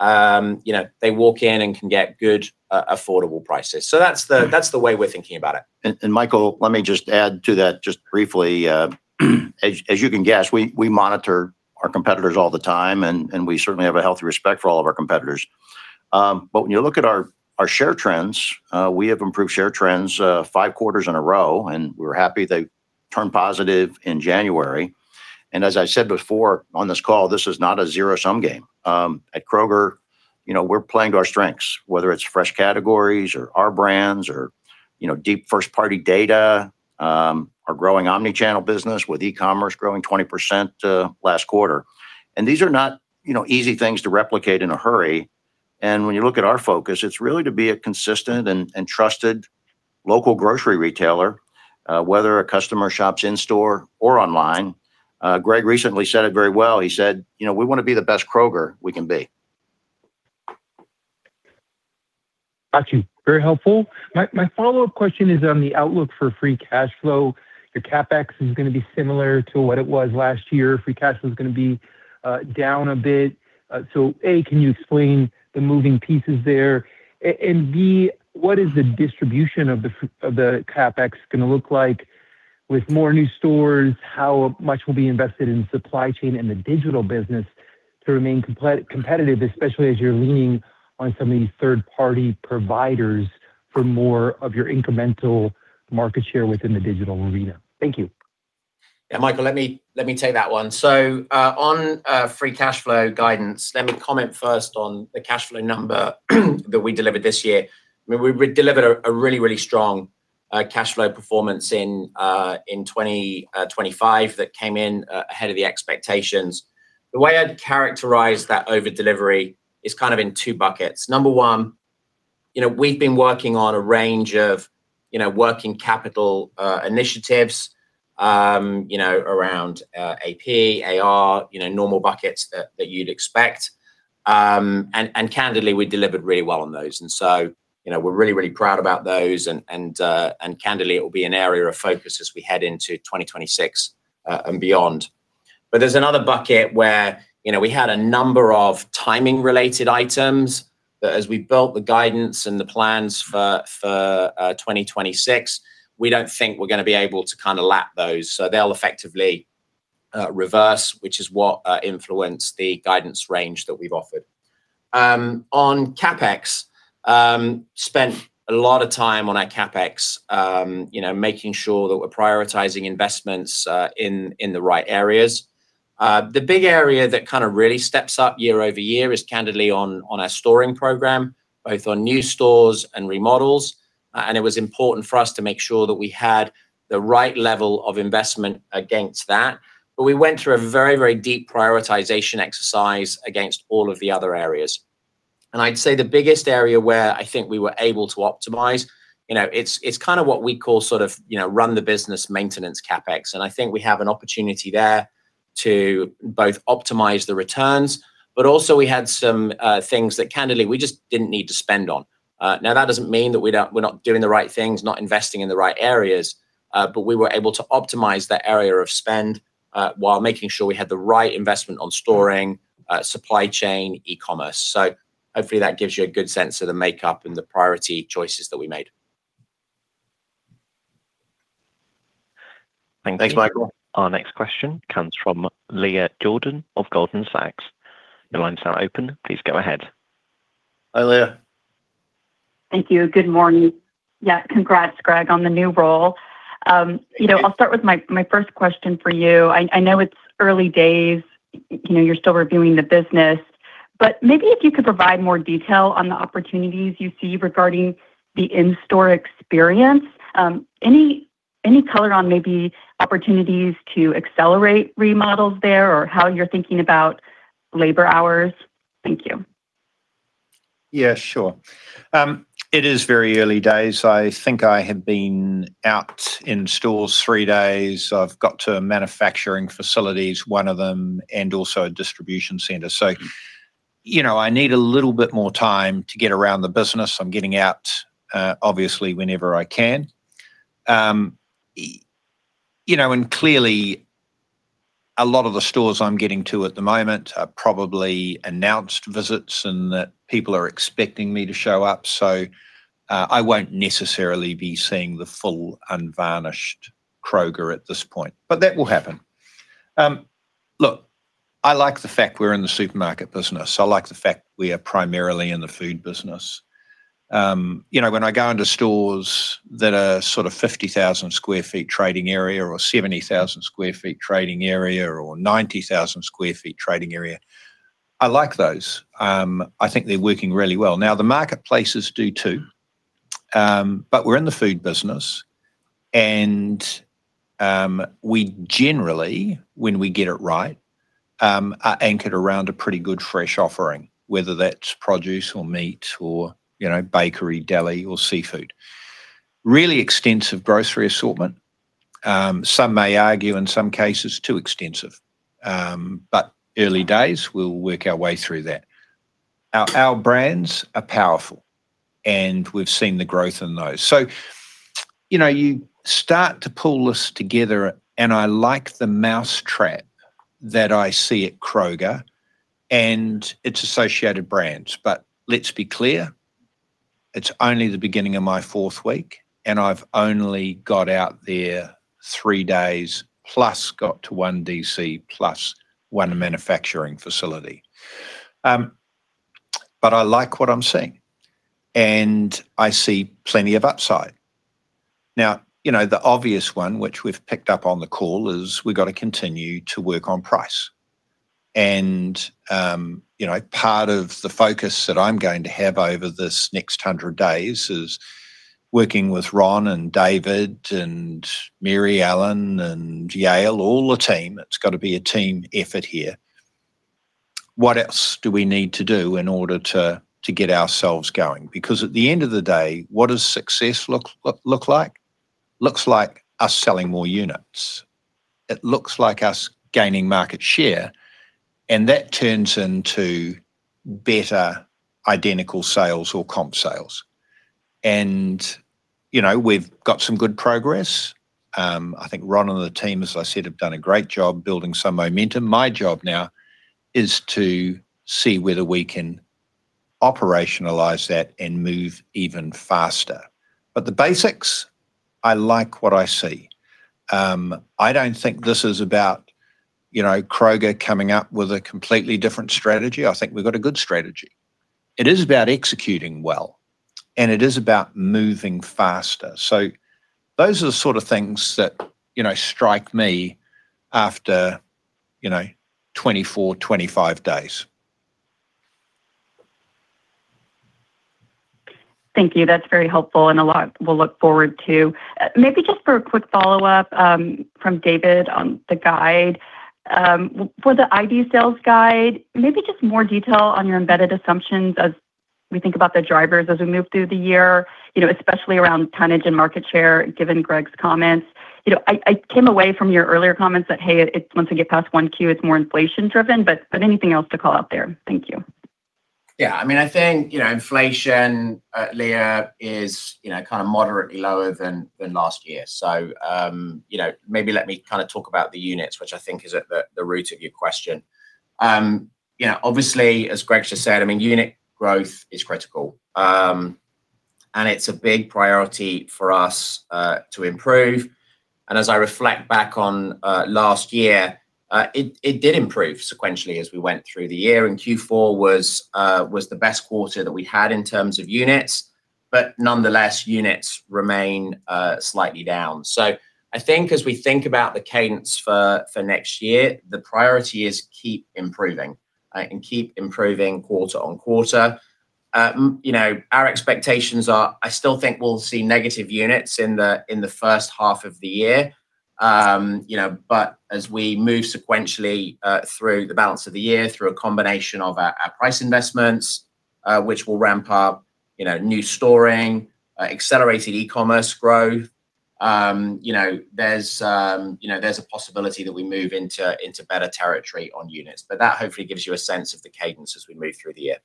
you know, they walk in and can get good, affordable prices. That's the, that's the way we're thinking about it. Michael, let me add to that briefly. As you can guess, we monitor our competitors all the time, and we certainly have a healthy respect for all of our competitors. When you look at our share trends, we have improved share trends five quarters in a row, and we're happy they turned positive in January. As I said before on this call, this is not a zero-sum game. At Kroger, you know, we're playing to our strengths, whether it's fresh categories or Our Brands or, you know, deep first-party data, our growing omni-channel business with e-commerce growing 20% last quarter. These are not, you know, easy things to replicate in a hurry. When you look at our focus, it's really to be a consistent and trusted local grocery retailer, whether a customer shops in store or online. Greg recently said it very well. He said, "You know, we wanna be the best Kroger we can be. Got you. Very helpful. My follow-up question is on the outlook for free cash flow. Your CapEx is gonna be similar to what it was last year. Free cash flow is gonna be down a bit. A, can you explain the moving pieces there? B, what is the distribution of the CapEx gonna look like? With more new stores, how much will be invested in supply chain and the digital business to remain comp-competitive, especially as you're leaning on some of these third-party providers for more of your incremental market share within the digital arena? Thank you. Yeah, Michael, let me take that one. On free cash flow guidance, let me comment first on the cash flow number that we delivered this year. I mean, we delivered a really strong cash flow performance in 2025 that came in ahead of the expectations. The way I'd characterize that over delivery is kind of in two buckets. Number one, you know, we've been working on a range of, you know, working capital initiatives, around AP, AR, you know, normal buckets that you'd expect. Candidly, we delivered really well on those. You know, we're really proud about those and candidly, it will be an area of focus as we head into 2026 and beyond. There's another bucket where, you know, we had a number of timing related items that as we built the guidance and the plans for 2026, we don't think we're gonna be able to kinda lap those, so they'll effectively reverse, which is what influenced the guidance range that we've offered. On CapEx, spent a lot of time on our CapEx, you know, making sure that we're prioritizing investments in the right areas. The big area that kinda really steps up year over year is candidly on our storing program, both on new stores and remodels. And it was important for us to make sure that we had the right level of investment against that. We went through a very deep prioritization exercise against all of the other areas. I'd say the biggest area where I think we were able to optimize, you know, it's kinda what we call sort of, you know, run the business maintenance CapEx, and I think we have an opportunity there to both optimize the returns, but also we had some things that candidly, we just didn't need to spend on. Now that doesn't mean that we're not doing the right things, not investing in the right areas, but we were able to optimize that area of spend while making sure we had the right investment on storing, supply chain, e-commerce. Hopefully that gives you a good sense of the makeup and the priority choices that we made. Thank you. Thanks, Michael. Our next question comes from Leah Jordan of Goldman Sachs. The lines are open. Please go ahead. Hi, Leah. Thank you. Good morning. Yeah, congrats, Greg, on the new role. You know, I'll start with my first question for you. I know it's early days, you know, you're still reviewing the business, but maybe if you could provide more detail on the opportunities you see regarding the in-store experience. Any color on maybe opportunities to accelerate remodels there or how you're thinking about labor hours? Thank you. Yeah, sure. It is very early days. I think I have been out in stores three days. I've got to manufacturing facilities, one of them, and also a distribution center. You know, I need a little bit more time to get around the business. I'm getting out, obviously whenever I can. You know, clearly a lot of the stores I'm getting to at the moment are probably announced visits and that people are expecting me to show up. I won't necessarily be seeing the full unvarnished Kroger at this point, but that will happen. Look, I like the fact we're in the supermarket business. I like the fact we are primarily in the food business. You know, when I go into stores that are sort of 50,000 sq ft trading area or 70,000 sq ft trading area or 90,000 sq ft trading area, I like those. I think they're working really well. The marketplaces do too. We're in the food business and we generally, when we get it right, are anchored around a pretty good fresh offering, whether that's produce or meat or, you know, bakery, deli or seafood. Really extensive grocery assortment. Some may argue in some cases too extensive. Early days we'll work our way through that. Our Brands are powerful and we've seen the growth in those. You know, you start to pull this together and I like the mouse trap that I see at Kroger and its associated brands. Let's be clear, it's only the beginning of my fourth week and I've only got out there three days, plus got to one D.C. plus one manufacturing facility. I like what I'm seeing and I see plenty of upside. Now, you know, the obvious one, which we've picked up on the call, is we've got to continue to work on price. you know, part of the focus that I'm going to have over this next 100 days is working with Ron and David and Mary Ellen Adcock and Yael Cosset, all the team. It's got to be a team effort here. What else do we need to do in order to get ourselves going? Because at the end of the day, what does success look like? Looks like us selling more units. It looks like us gaining market share and that turns into better identical sales or comp sales. You know, we've got some good progress. I think Ron and the team, as I said, have done a great job building some momentum. My job now is to see whether we canOperationalize that and move even faster. The basics, I like what I see. I don't think this is about, you know, Kroger coming up with a completely different strategy. I think we've got a good strategy. It is about executing well, and it is about moving faster. Those are the sort of things that, you know, strike me after, you know, 24, 25 days. Thank you. That's very helpful and a lot we'll look forward to. Maybe just for a quick follow-up from David on the guide. For the ID sales guide, maybe just more detail on your embedded assumptions as we think about the drivers as we move through the year, you know, especially around tonnage and market share, given Greg's comments. You know, I came away from your earlier comments that, hey, once we get past Q1, it's more inflation-driven, but anything else to call out there? Thank you. Yeah. I mean, I think, you know, inflation, Leah, is, you know, kind of moderately lower than last year. You know, maybe let me kind of talk about the units, which I think is at the root of your question. You know, obviously, as Greg just said, I mean, unit growth is critical. It's a big priority for us, to improve. As I reflect back on, last year, it did improve sequentially as we went through the year, and Q4 was the best quarter that we had in terms of units. Nonetheless, units remain, slightly down. I think as we think about the cadence for next year, the priority is keep improving, and keep improving quarter on quarter. you know, our expectations are, I still think we'll see negative units in the, in the first half of the year. you know, as we move sequentially, through the balance of the year through a combination of our price investments, which will ramp up, you know, new storing, accelerated e-commerce growth, you know, there's, you know, there's a possibility that we move into better territory on units. That hopefully gives you a sense of the cadence as we move through the year.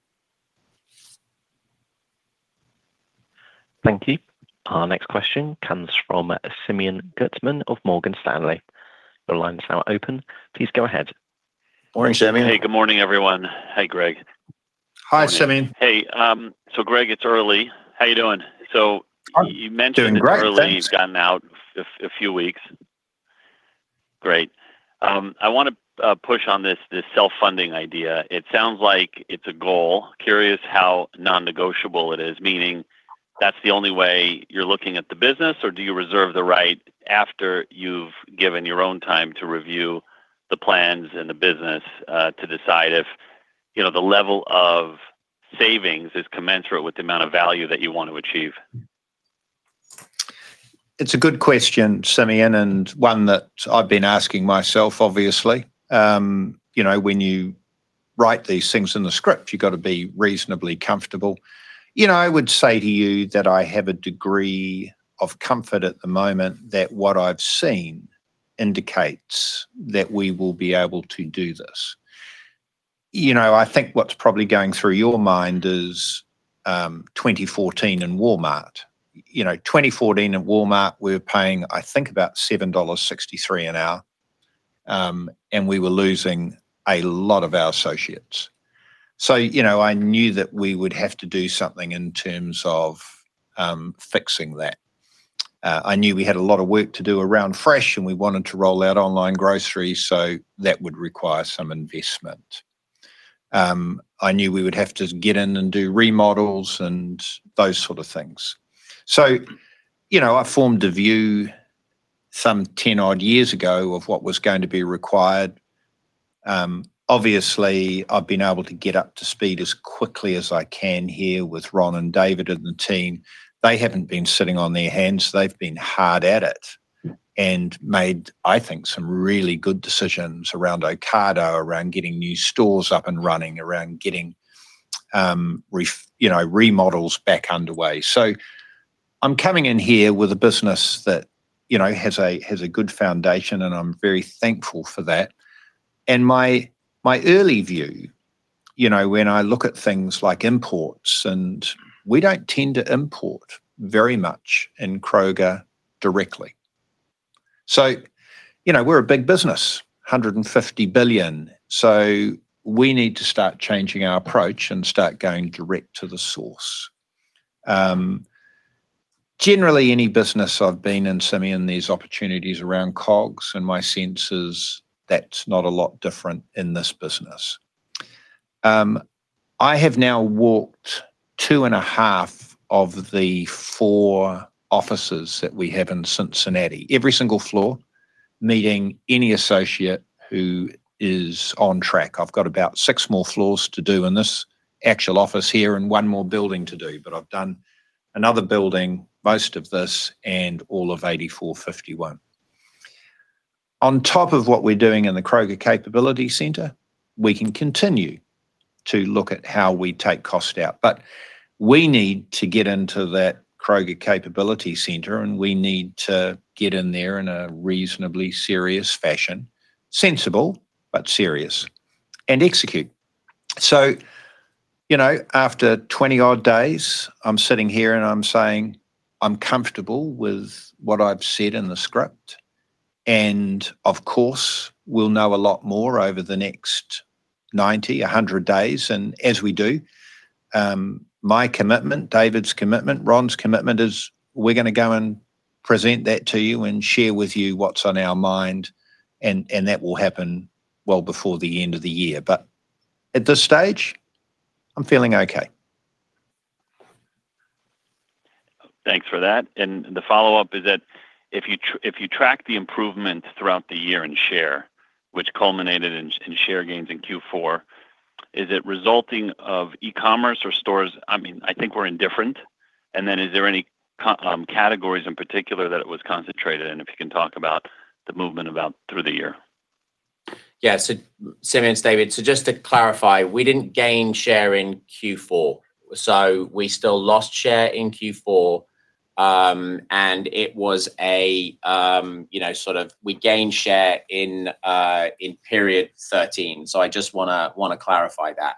Thank you. Our next question comes from Simeon Gutman of Morgan Stanley. Your line is now open. Please go ahead. Morning, Simeon. Hey, good morning, everyone. Hi, Greg. Hi, Simeon. Hey. Greg, it's early. How you doing? I'm doing great. Thanks You mentioned that early you've gotten out a few weeks. Great. I wanna push on this self-funding idea. It sounds like it's a goal. Curious how non-negotiable it is, meaning that's the only way you're looking at the business, or do you reserve the right after you've given your own time to review the plans and the business, to decide if, you know, the level of savings is commensurate with the amount of value that you want to achieve? It's a good question, Simeon, and one that I've been asking myself, obviously. You know, when you write these things in the script, you've got to be reasonably comfortable. You know, I would say to you that I have a degree of comfort at the moment that what I've seen indicates that we will be able to do this. You know, I think what's probably going through your mind is 2014 and Walmart. You know, 2014 at Walmart, we were paying, I think, about $7.63 an hour, and we were losing a lot of our associates. You know, I knew that we would have to do something in terms of fixing that. I knew we had a lot of work to do around fresh, and we wanted to roll out online grocery, so that would require some investment. I knew we would have to get in and do remodels and those sort of things. You know, I formed a view some 10 odd years ago of what was going to be required. Obviously, I've been able to get up to speed as quickly as I can here with Ron and David and the team. They haven't been sitting on their hands. They've been hard at it and made, I think, some really good decisions around Ocado, around getting new stores up and running, around getting, you know, remodels back underway. I'm coming in here with a business that, you know, has a, has a good foundation, and I'm very thankful for that. My, my early view, you know, when I look at things like imports, and we don't tend to import very much in Kroger directly. You know, we're a big business, $150 billion, we need to start changing our approach and start going direct to the source. Generally, any business I've been in, Simeon, there's opportunities around COGS, and my sense is that's not a lot different in this business. I have now walked two and a half of the four offices that we have in Cincinnati, every single floor, meeting any associate who is on track. I've got about six more floors to do in this actual office here and one more building to do. I've done another building, most of this, and all of 84.51°. On top of what we're doing in the Kroger Capability Center, we can continue to look at how we take cost out. We need to get into that Kroger Capability Center, and we need to get in there in a reasonably serious fashion, sensible but serious, and execute. You know, after 20 odd days, I'm sitting here and I'm saying I'm comfortable with what I've said in the script. And of course, we'll know a lot more over the next 90, 100 days. As we do, my commitment, David's commitment, Ron's commitment is we're gonna go and present that to you and share with you what's on our mind, and that will happen well before the end of the year. At this stage, I'm feeling okay. Thanks for that. The follow-up is that if you track the improvement throughout the year in share, which culminated in in share gains in Q four, is it resulting of e-commerce or stores? I mean, I think we're indifferent. Is there any categories in particular that it was concentrated in? If you can talk about the movement about through the year. Simeon, it's David. Just to clarify, we didn't gain share in Q4. We still lost share in Q4, and it was a, you know, sort of we gained share in period 13. I just wanna clarify that.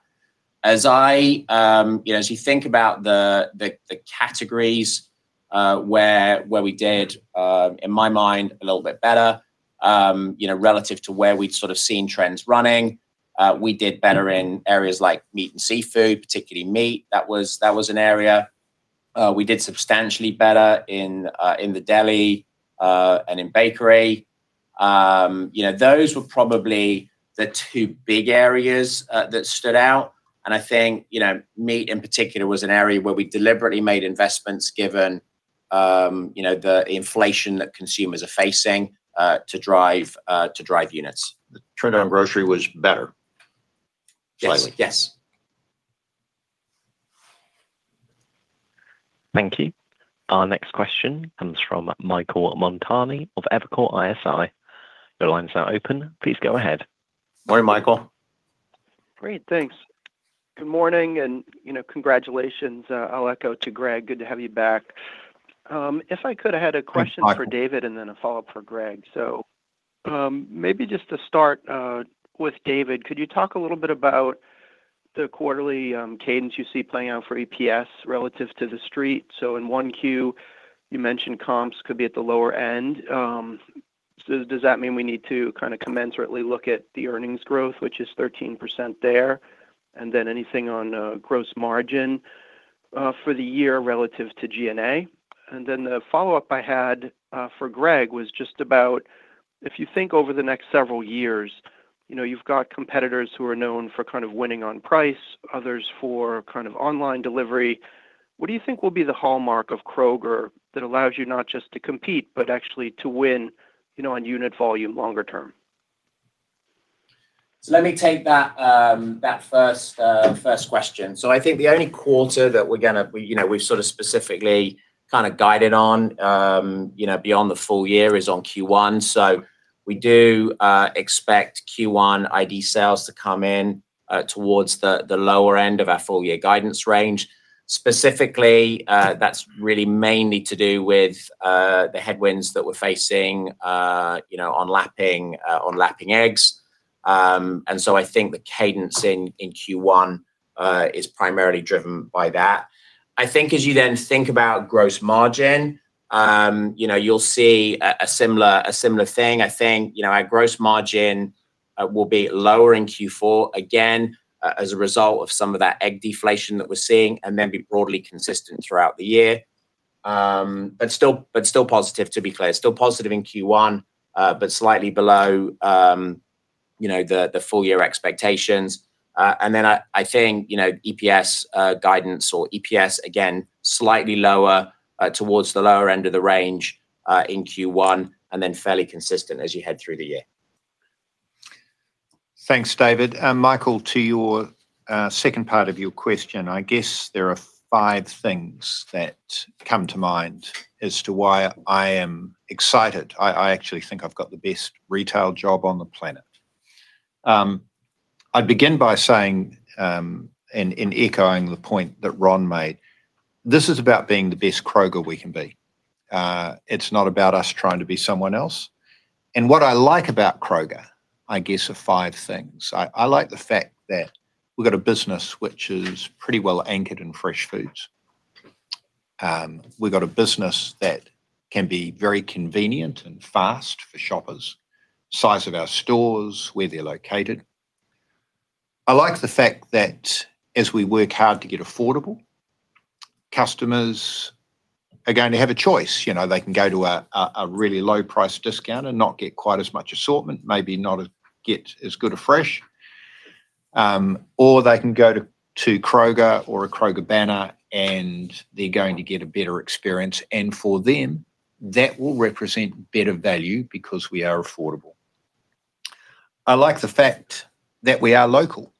As I, you know, as you think about the categories, where we did, in my mind, a little bit better, you know, relative to where we'd sort of seen trends running, we did better in areas like meat and seafood, particularly meat. That was an area. We did substantially better in the deli and in bakery. You know, those were probably the two big areas that stood out. I think, you know, meat in particular was an area where we deliberately made investments given, you know, the inflation that consumers are facing, to drive units. The turnaround grocery was better slightly. Yes. Thank you. Our next question comes from Michael Montani of Evercore ISI. Your line's now open. Please go ahead. Morning, Michael. Great. Thanks. Good morning, and you know, congratulations. I'll echo to Greg, good to have you back. If I could, I had a question for David and then a follow-up for Greg. Maybe just to start with David, could you talk a little bit about the quarterly cadence you see playing out for EPS relative to the street? In Q1, you mentioned comps could be at the lower end. Does that mean we need to kinda commensurately look at the earnings growth, which is 13% there? Then anything on gross margin for the year relative to GNA? The follow-up I had, for Greg was just about if you think over the next several years, you know, you've got competitors who are known for kind of winning on price, others for kind of online delivery. What do you think will be the hallmark of Kroger that allows you not just to compete, but actually to win, you know, on unit volume longer term? Let me take that first question. I think the only quarter that we're gonna, you know, we've sorta specifically kinda guided on, you know, beyond the full year is on Q1. We do expect Q1 ID sales to come in towards the lower end of our full year guidance range. Specifically, that's really mainly to do with the headwinds that we're facing, you know, on lapping eggs. I think the cadencing in Q1 is primarily driven by that. I think as you then think about gross margin, you know, you'll see a similar thing. I think, you know, our gross margin will be lower in Q4, again, as a result of some of that egg deflation that we're seeing, and then be broadly consistent throughout the year. Still positive to be clear. Still positive in Q1, slightly below, you know, the full year expectations. I think, you know, EPS guidance or EPS, again, slightly lower towards the lower end of the range in Q1, and then fairly consistent as you head through the year. Thanks, David. Michael, to your second part of your question, I guess there are five things that come to mind as to why I am excited. I actually think I've got the best retail job on the planet. I'd begin by saying, and echoing the point that Ron made, this is about being the best Kroger we can be. It's not about us trying to be someone else. What I like about Kroger, I guess are five things. I like the fact that we've got a business which is pretty well anchored in fresh foods. We've got a business that can be very convenient and fast for shoppers, size of our stores, where they're located. I like the fact that as we work hard to get affordable, customers are going to have a choice. You know, they can go to a really low price discounter, not get quite as much assortment, maybe not get as good a fresh, or they can go to Kroger or a Kroger banner, they're going to get a better experience. For them, that will represent better value because we are affordable. I like the fact that we are local.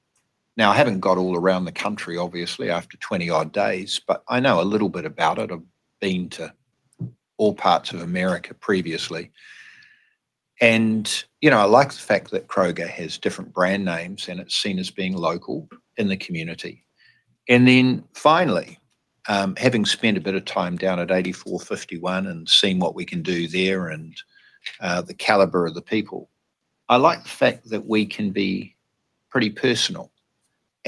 Now, I haven't got all around the country, obviously, after 20 odd days, but I know a little bit about it. I've been to all parts of America previously. You know, I like the fact that Kroger has different brand names, and it's seen as being local in the community. Finally, having spent a bit of time down at 84.51° and seeing what we can do there and the caliber of the people, I like the fact that we can be pretty personal.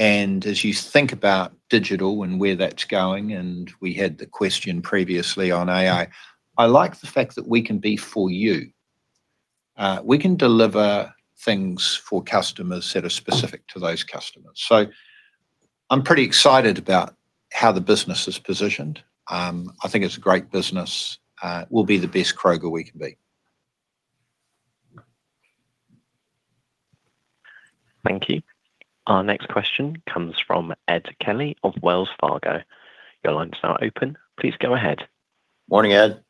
As you think about digital and where that's going, and we had the question previously on AI, I like the fact that we can be for you. We can deliver things for customers that are specific to those customers. I'm pretty excited about how the business is positioned. I think it's a great business. We'll be the best Kroger we can be. Thank you. Our next question comes from Ed Kelly of Wells Fargo. Your line's now open. Please go ahead. Morning, Ed.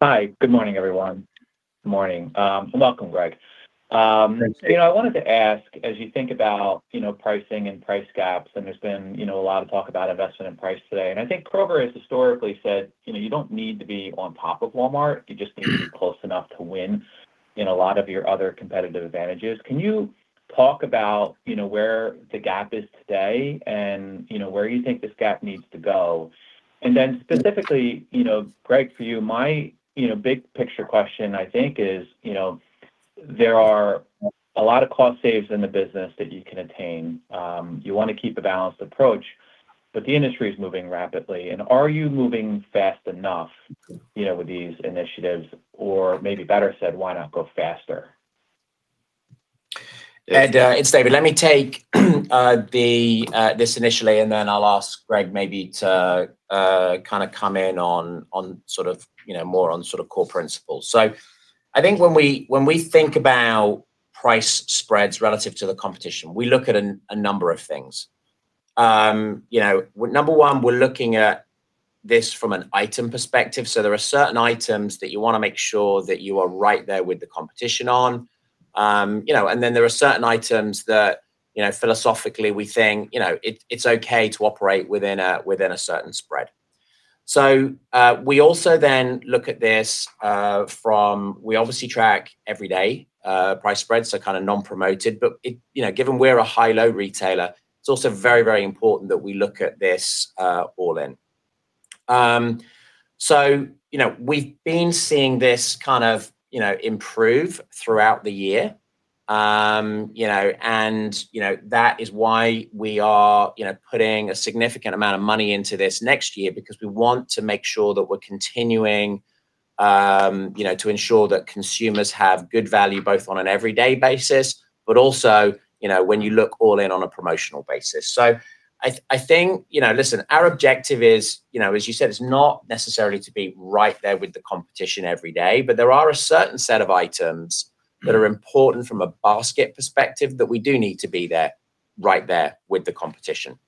Hi. Good morning, everyone. Morning. Welcome, Greg. You know, I wanted to ask, as you think about, you know, pricing and price gaps, and there's been, you know, a lot of talk about investment in price today, and I think Kroger has historically said, you know, you don't need to be on top of Walmart, you just need to be close enough to win in a lot of your other competitive advantages. Can you talk about, you know, where the gap is today and, you know, where you think this gap needs to go? Then specifically, you know, Greg, for you, my, you know, big picture question I think is, you know, there are a lot of cost saves in the business that you can attain. You wanna keep a balanced approach, but the industry is moving rapidly. Are you moving fast enough, you know, with these initiatives? Maybe better said, why not go faster? Ed, it's David. Let me take this initially and then I'll ask Greg maybe to kinda comment on sort of, you know, more on sort of core principles. I think when we think about price spreads relative to the competition, we look at a number of things. You know, number one, we're looking at this from an item perspective, so there are certain items that you wanna make sure that you are right there with the competition on. You know, and then there are certain items that, you know, philosophically we think, you know, it's okay to operate within a certain spread. We also then look at this from. We obviously track every day, price spreads are kinda non-promoted, but it, you know, given we're a high-low retailer, it's also very, very important that we look at this, all in. You know, we've been seeing this kind of, you know, improve throughout the year. You know, and, you know, that is why we are, you know, putting a significant amount of money into this next year because we want to make sure that we're continuing, you know, to ensure that consumers have good value both on an everyday basis, but also, you know, when you look all in on a promotional basis. I think, you know, listen, our objective is, you know, as you said, it's not necessarily to be right there with the competition every day, but there are a certain set of items that are important from a basket perspective that we do need to be there, right there with the competition.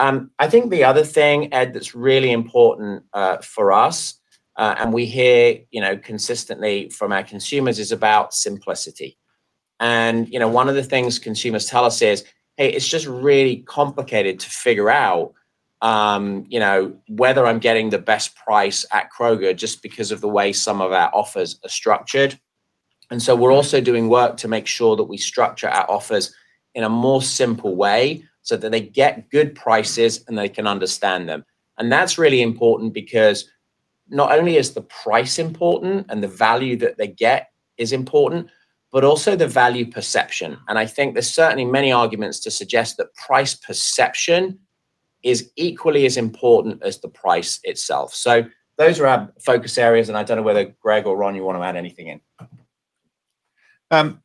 I think the other thing, Ed, that's really important for us, and we hear, you know, consistently from our consumers, is about simplicity. You know, one of the things consumers tell us is, "Hey, it's just really complicated to figure out, you know, whether I'm getting the best price at Kroger just because of the way some of our offers are structured." We're also doing work to make sure that we structure our offers in a more simple way, so that they get good prices and they can understand them. That's really important because not only is the price important and the value that they get is important, but also the value perception. I think there's certainly many arguments to suggest that price perception is equally as important as the price itself. Those are our focus areas, and I don't know whether, Greg or Ron, you wanna add anything in.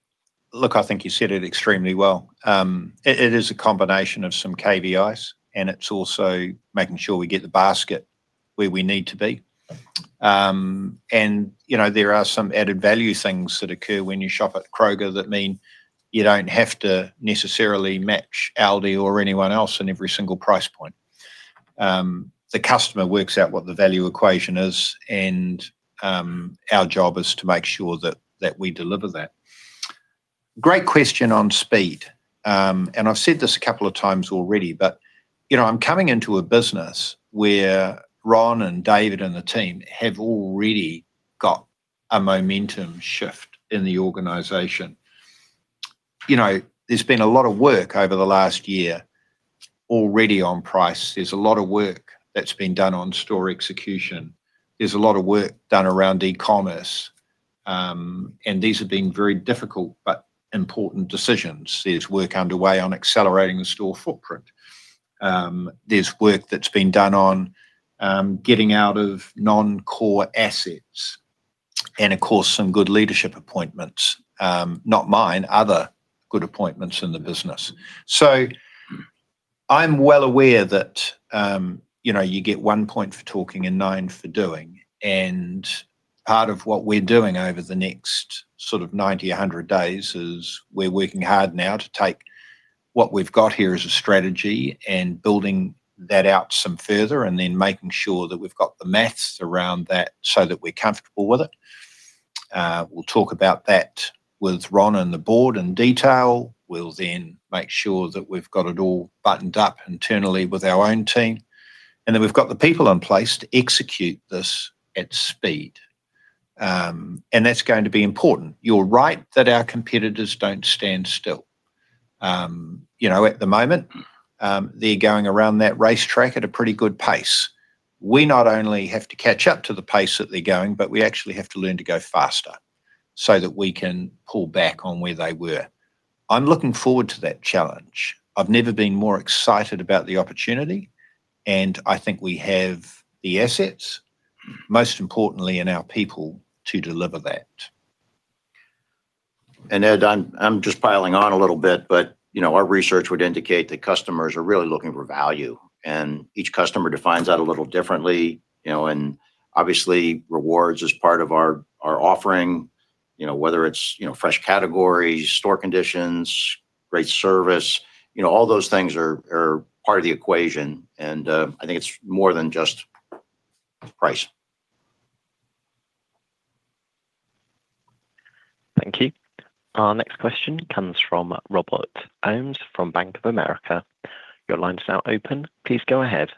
Look, I think you said it extremely well. It is a combination of some KPIs, and it's also making sure we get the basket where we need to be. You know, there are some added value things that occur when you shop at Kroger that mean you don't have to necessarily match Aldi or anyone else in every single price point. The customer works out what the value equation is, and our job is to make sure that we deliver that. Great question on speed. I've said this a couple of times already, but, you know, I'm coming into a business where Ron and David and the team have already got a momentum shift in the organization. You know, there's been a lot of work over the last year already on price. There's a lot of work that's been done on store execution. There's a lot of work done around e-commerce, and these have been very difficult but important decisions. There's work underway on accelerating the store footprint. There's work that's been done on getting out of non-core assets and, of course, some good leadership appointments. Not mine, other good appointments in the business. So I'm well aware that, you know, you get one point for talking and nine for doing. Part of what we're doing over the next sort of 90, 100 days is we're working hard now to take what we've got here as a strategy and building that out some further, and then making sure that we've got the maths around that so that we're comfortable with it. We'll talk about that with Ron and the board in detail. We'll then make sure that we've got it all buttoned up internally with our own team, and that we've got the people in place to execute this at speed. That's going to be important. You're right that our competitors don't stand still. You know, at the moment, they're going around that racetrack at a pretty good pace. We not only have to catch up to the pace that they're going, but we actually have to learn to go faster. That we can pull back on where they were. I'm looking forward to that challenge. I've never been more excited about the opportunity and I think we have the assets, most importantly in our people to deliver that. Ed, I'm just piling on a little bit. You know, our research would indicate that customers are really looking for value, and each customer defines that a little differently, you know. Obviously rewards is part of our offering, you know, whether it's, you know, fresh categories, store conditions, great service, you know, all those things are part of the equation. I think it's more than just price. Thank you. Our next question comes from Robert Ohmes from Bank of America. Your line's now open. Please go ahead.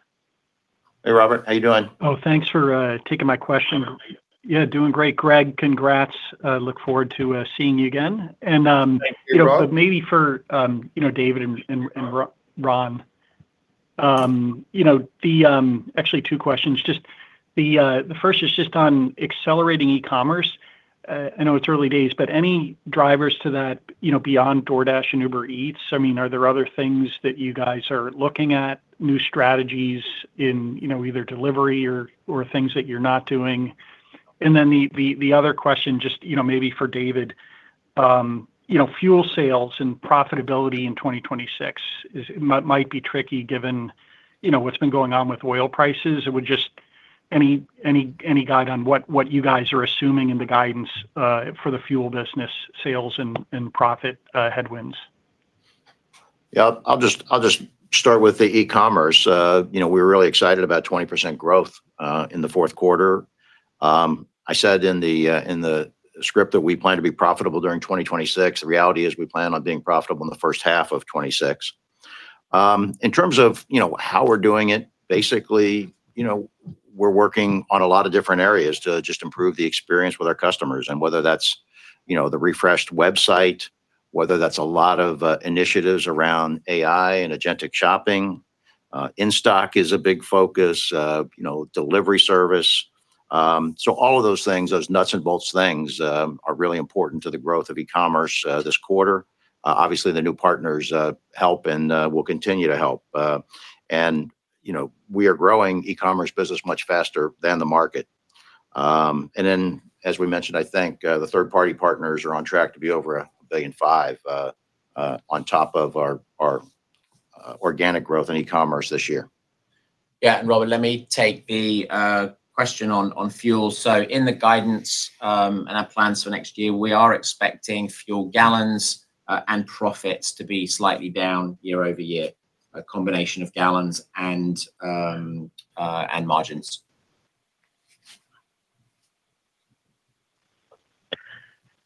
Hey, Robert. How you doing? Oh, thanks for taking my question. How are you? Yeah, doing great. Greg, congrats. look forward to seeing you again. Thank you, Rob. And, you know, but maybe for, you know, David and Ron, you know, actually two questions. Just the first is just on accelerating e-commerce. I know it's early days, but any drivers to that, you know, beyond DoorDash and Uber Eats? I mean, are there other things that you guys are looking at, new strategies in, you know, either delivery or things that you're not doing? The other question, just, you know, maybe for David, you know, fuel sales and profitability in 2026 is might be tricky given, you know, what's been going on with oil prices. Any guide on what you guys are assuming in the guidance for the fuel business sales and profit headwinds? Yeah. I'll just start with the e-commerce. You know, we're really excited about 20% growth in the Q4. I said in the script that we plan to be profitable during 2026. The reality is we plan on being profitable in the first half of 2026. In terms of, you know, how we're doing it, basically, you know, we're working on a lot of different areas to just improve the experience with our customers and whether that's, you know, the refreshed website, whether that's a lot of initiatives around AI and agentic shopping. In-stock is a big focus, you know, delivery service. All of those things, those nuts and bolts things, are really important to the growth of e-commerce this quarter. obviously the new partners help and will continue to help. You know, we are growing e-commerce business much faster than the market. As we mentioned, I think, the third party partners are on track to be over $1.5 billion on top of our organic growth in e-commerce this year. Yeah. Robert, let me take the question on fuel. In the guidance and our plans for next year, we are expecting fuel gallons and profits to be slightly down year-over-year, a combination of gallons and margins.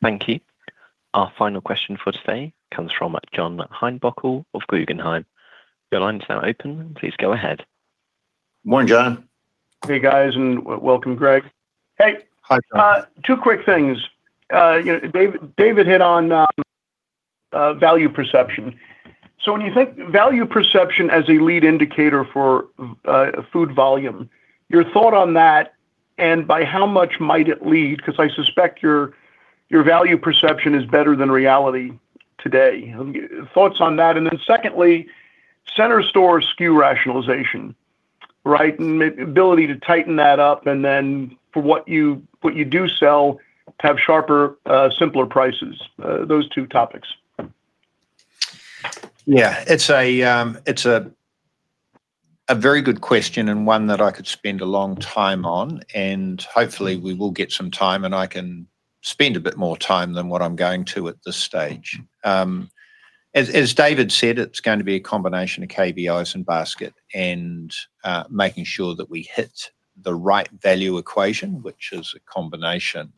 Thank you. Our final question for today comes from John Heinbockel of Guggenheim. Your line is now open. Please go ahead. Morning, John. Hey, guys, and welcome, Greg. Hey. Hi, John. two quick things. you know, David hit on value perception. When you think value perception as a lead indicator for food volume, your thought on that, and by how much might it lead? 'Cause I suspect your value perception is better than reality today. Thoughts on that. Secondly, center store SKU rationalization, right? Ability to tighten that up, and then for what you do sell to have sharper, simpler prices. Those two topics. Yeah. It's a very good question and one that I could spend a long time on, and hopefully we will get some time, and I can spend a bit more time than what I'm going to at this stage. As David said, it's going to be a combination of KVIs and basket and making sure that we hit the right value equation, which is a combination,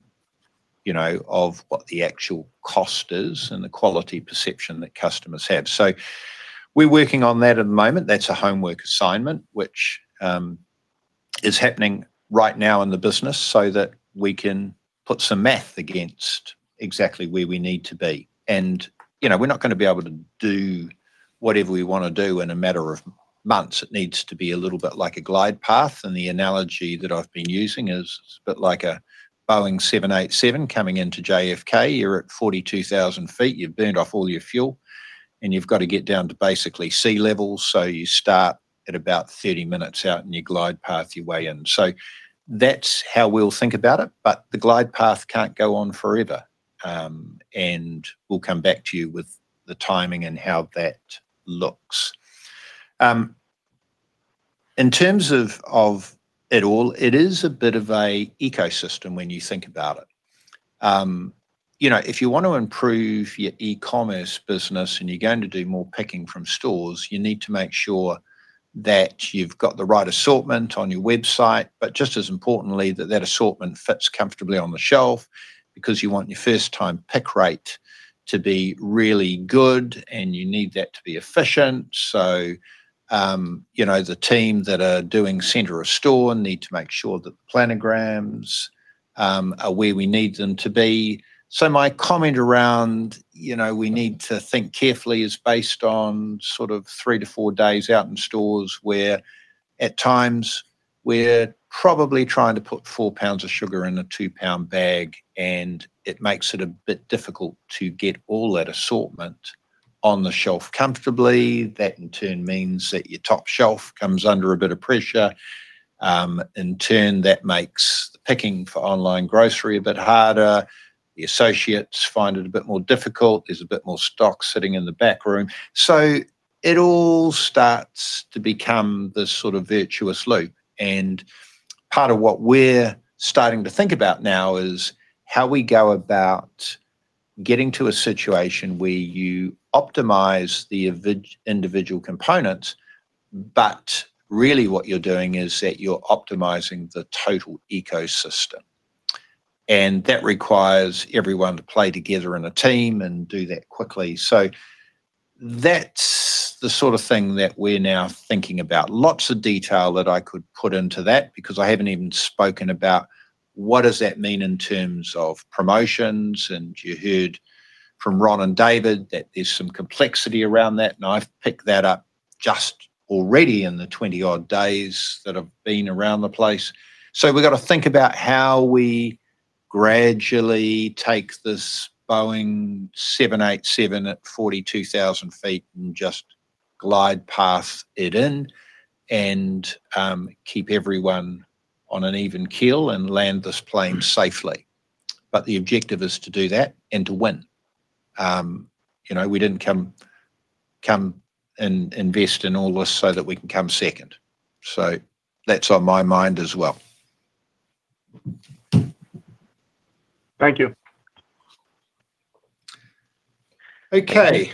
you know, of what the actual cost is and the quality perception that customers have. We're working on that at the moment. That's a homework assignment, which is happening right now in the business so that we can put some math against exactly where we need to be. You know, we're not gonna be able to do whatever we wanna do in a matter of months. It needs to be a little bit like a glide path. The analogy that I've been using is a bit like a Boeing 787 coming into JFK. You're at 42,000 feet, you've burned off all your fuel, and you've got to get down to basically sea level. You start at about 30 minutes out and you glide path your way in. That's how we'll think about it, but the glide path can't go on forever. And we'll come back to you with the timing and how that looks. In terms of it all, it is a bit of an ecosystem when you think about it. You know, if you want to improve your e-commerce business and you're going to do more picking from stores, you need to make sure that you've got the right assortment on your website, but just as importantly, that that assortment fits comfortably on the shelf because you want your first time pick rate to be really good, and you need that to be efficient. You know, the team that are doing center of store need to make sure the planograms are where we need them to be. My comment around, you know, we need to think carefully is based on sort of three to four days out in stores where at times. We're probably trying to put 4 lbs of sugar in a 2 lb bag, and it makes it a bit difficult to get all that assortment on the shelf comfortably. That in turn means that your top shelf comes under a bit of pressure. In turn, that makes the picking for online grocery a bit harder. The associates find it a bit more difficult. There's a bit more stock sitting in the back room. It all starts to become this sort of virtuous loop. Part of what we're starting to think about now is how we go about getting to a situation where you optimize the individual components, but really what you're doing is that you're optimizing the total ecosystem. That requires everyone to play together in a team and do that quickly. That's the sort of thing that we're now thinking about. Lots of detail that I could put into that because I haven't even spoken about what does that mean in terms of promotions, and you heard from Ron and David that there's some complexity around that, and I've picked that up just already in the 20 odd days that I've been around the place. We've got to think about how we gradually take this Boeing 787 at 42,000 feet and just glide past it in and keep everyone on an even keel and land this plane safely. The objective is to do that and to win. You know, we didn't come and invest in all this so that we can come second. That's on my mind as well. Thank you. Okay.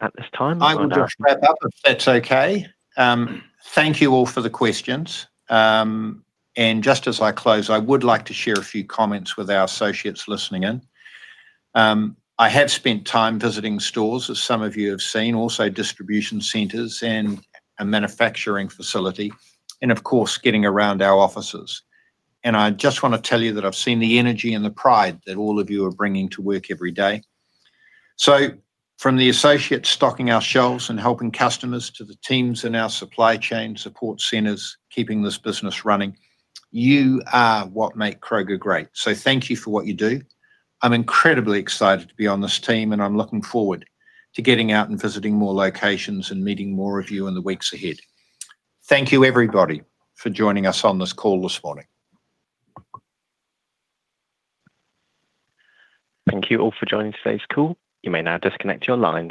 At this time. I will just wrap up, if that's okay. Thank you all for the questions. Just as I close, I would like to share a few comments with our associates listening in. I have spent time visiting stores, as some of you have seen, also distribution centers and a manufacturing facility, and of course, getting around our offices. I just wanna tell you that I've seen the energy and the pride that all of you are bringing to work every day. From the associates stocking our shelves and helping customers to the teams in our supply chain support centers, keeping this business running, you are what make Kroger great. Thank you for what you do. I'm incredibly excited to be on this team, and I'm looking forward to getting out and visiting more locations and meeting more of you in the weeks ahead. Thank you, everybody, for joining us on this call this morning. Thank you all for joining today's call. You may now disconnect your lines.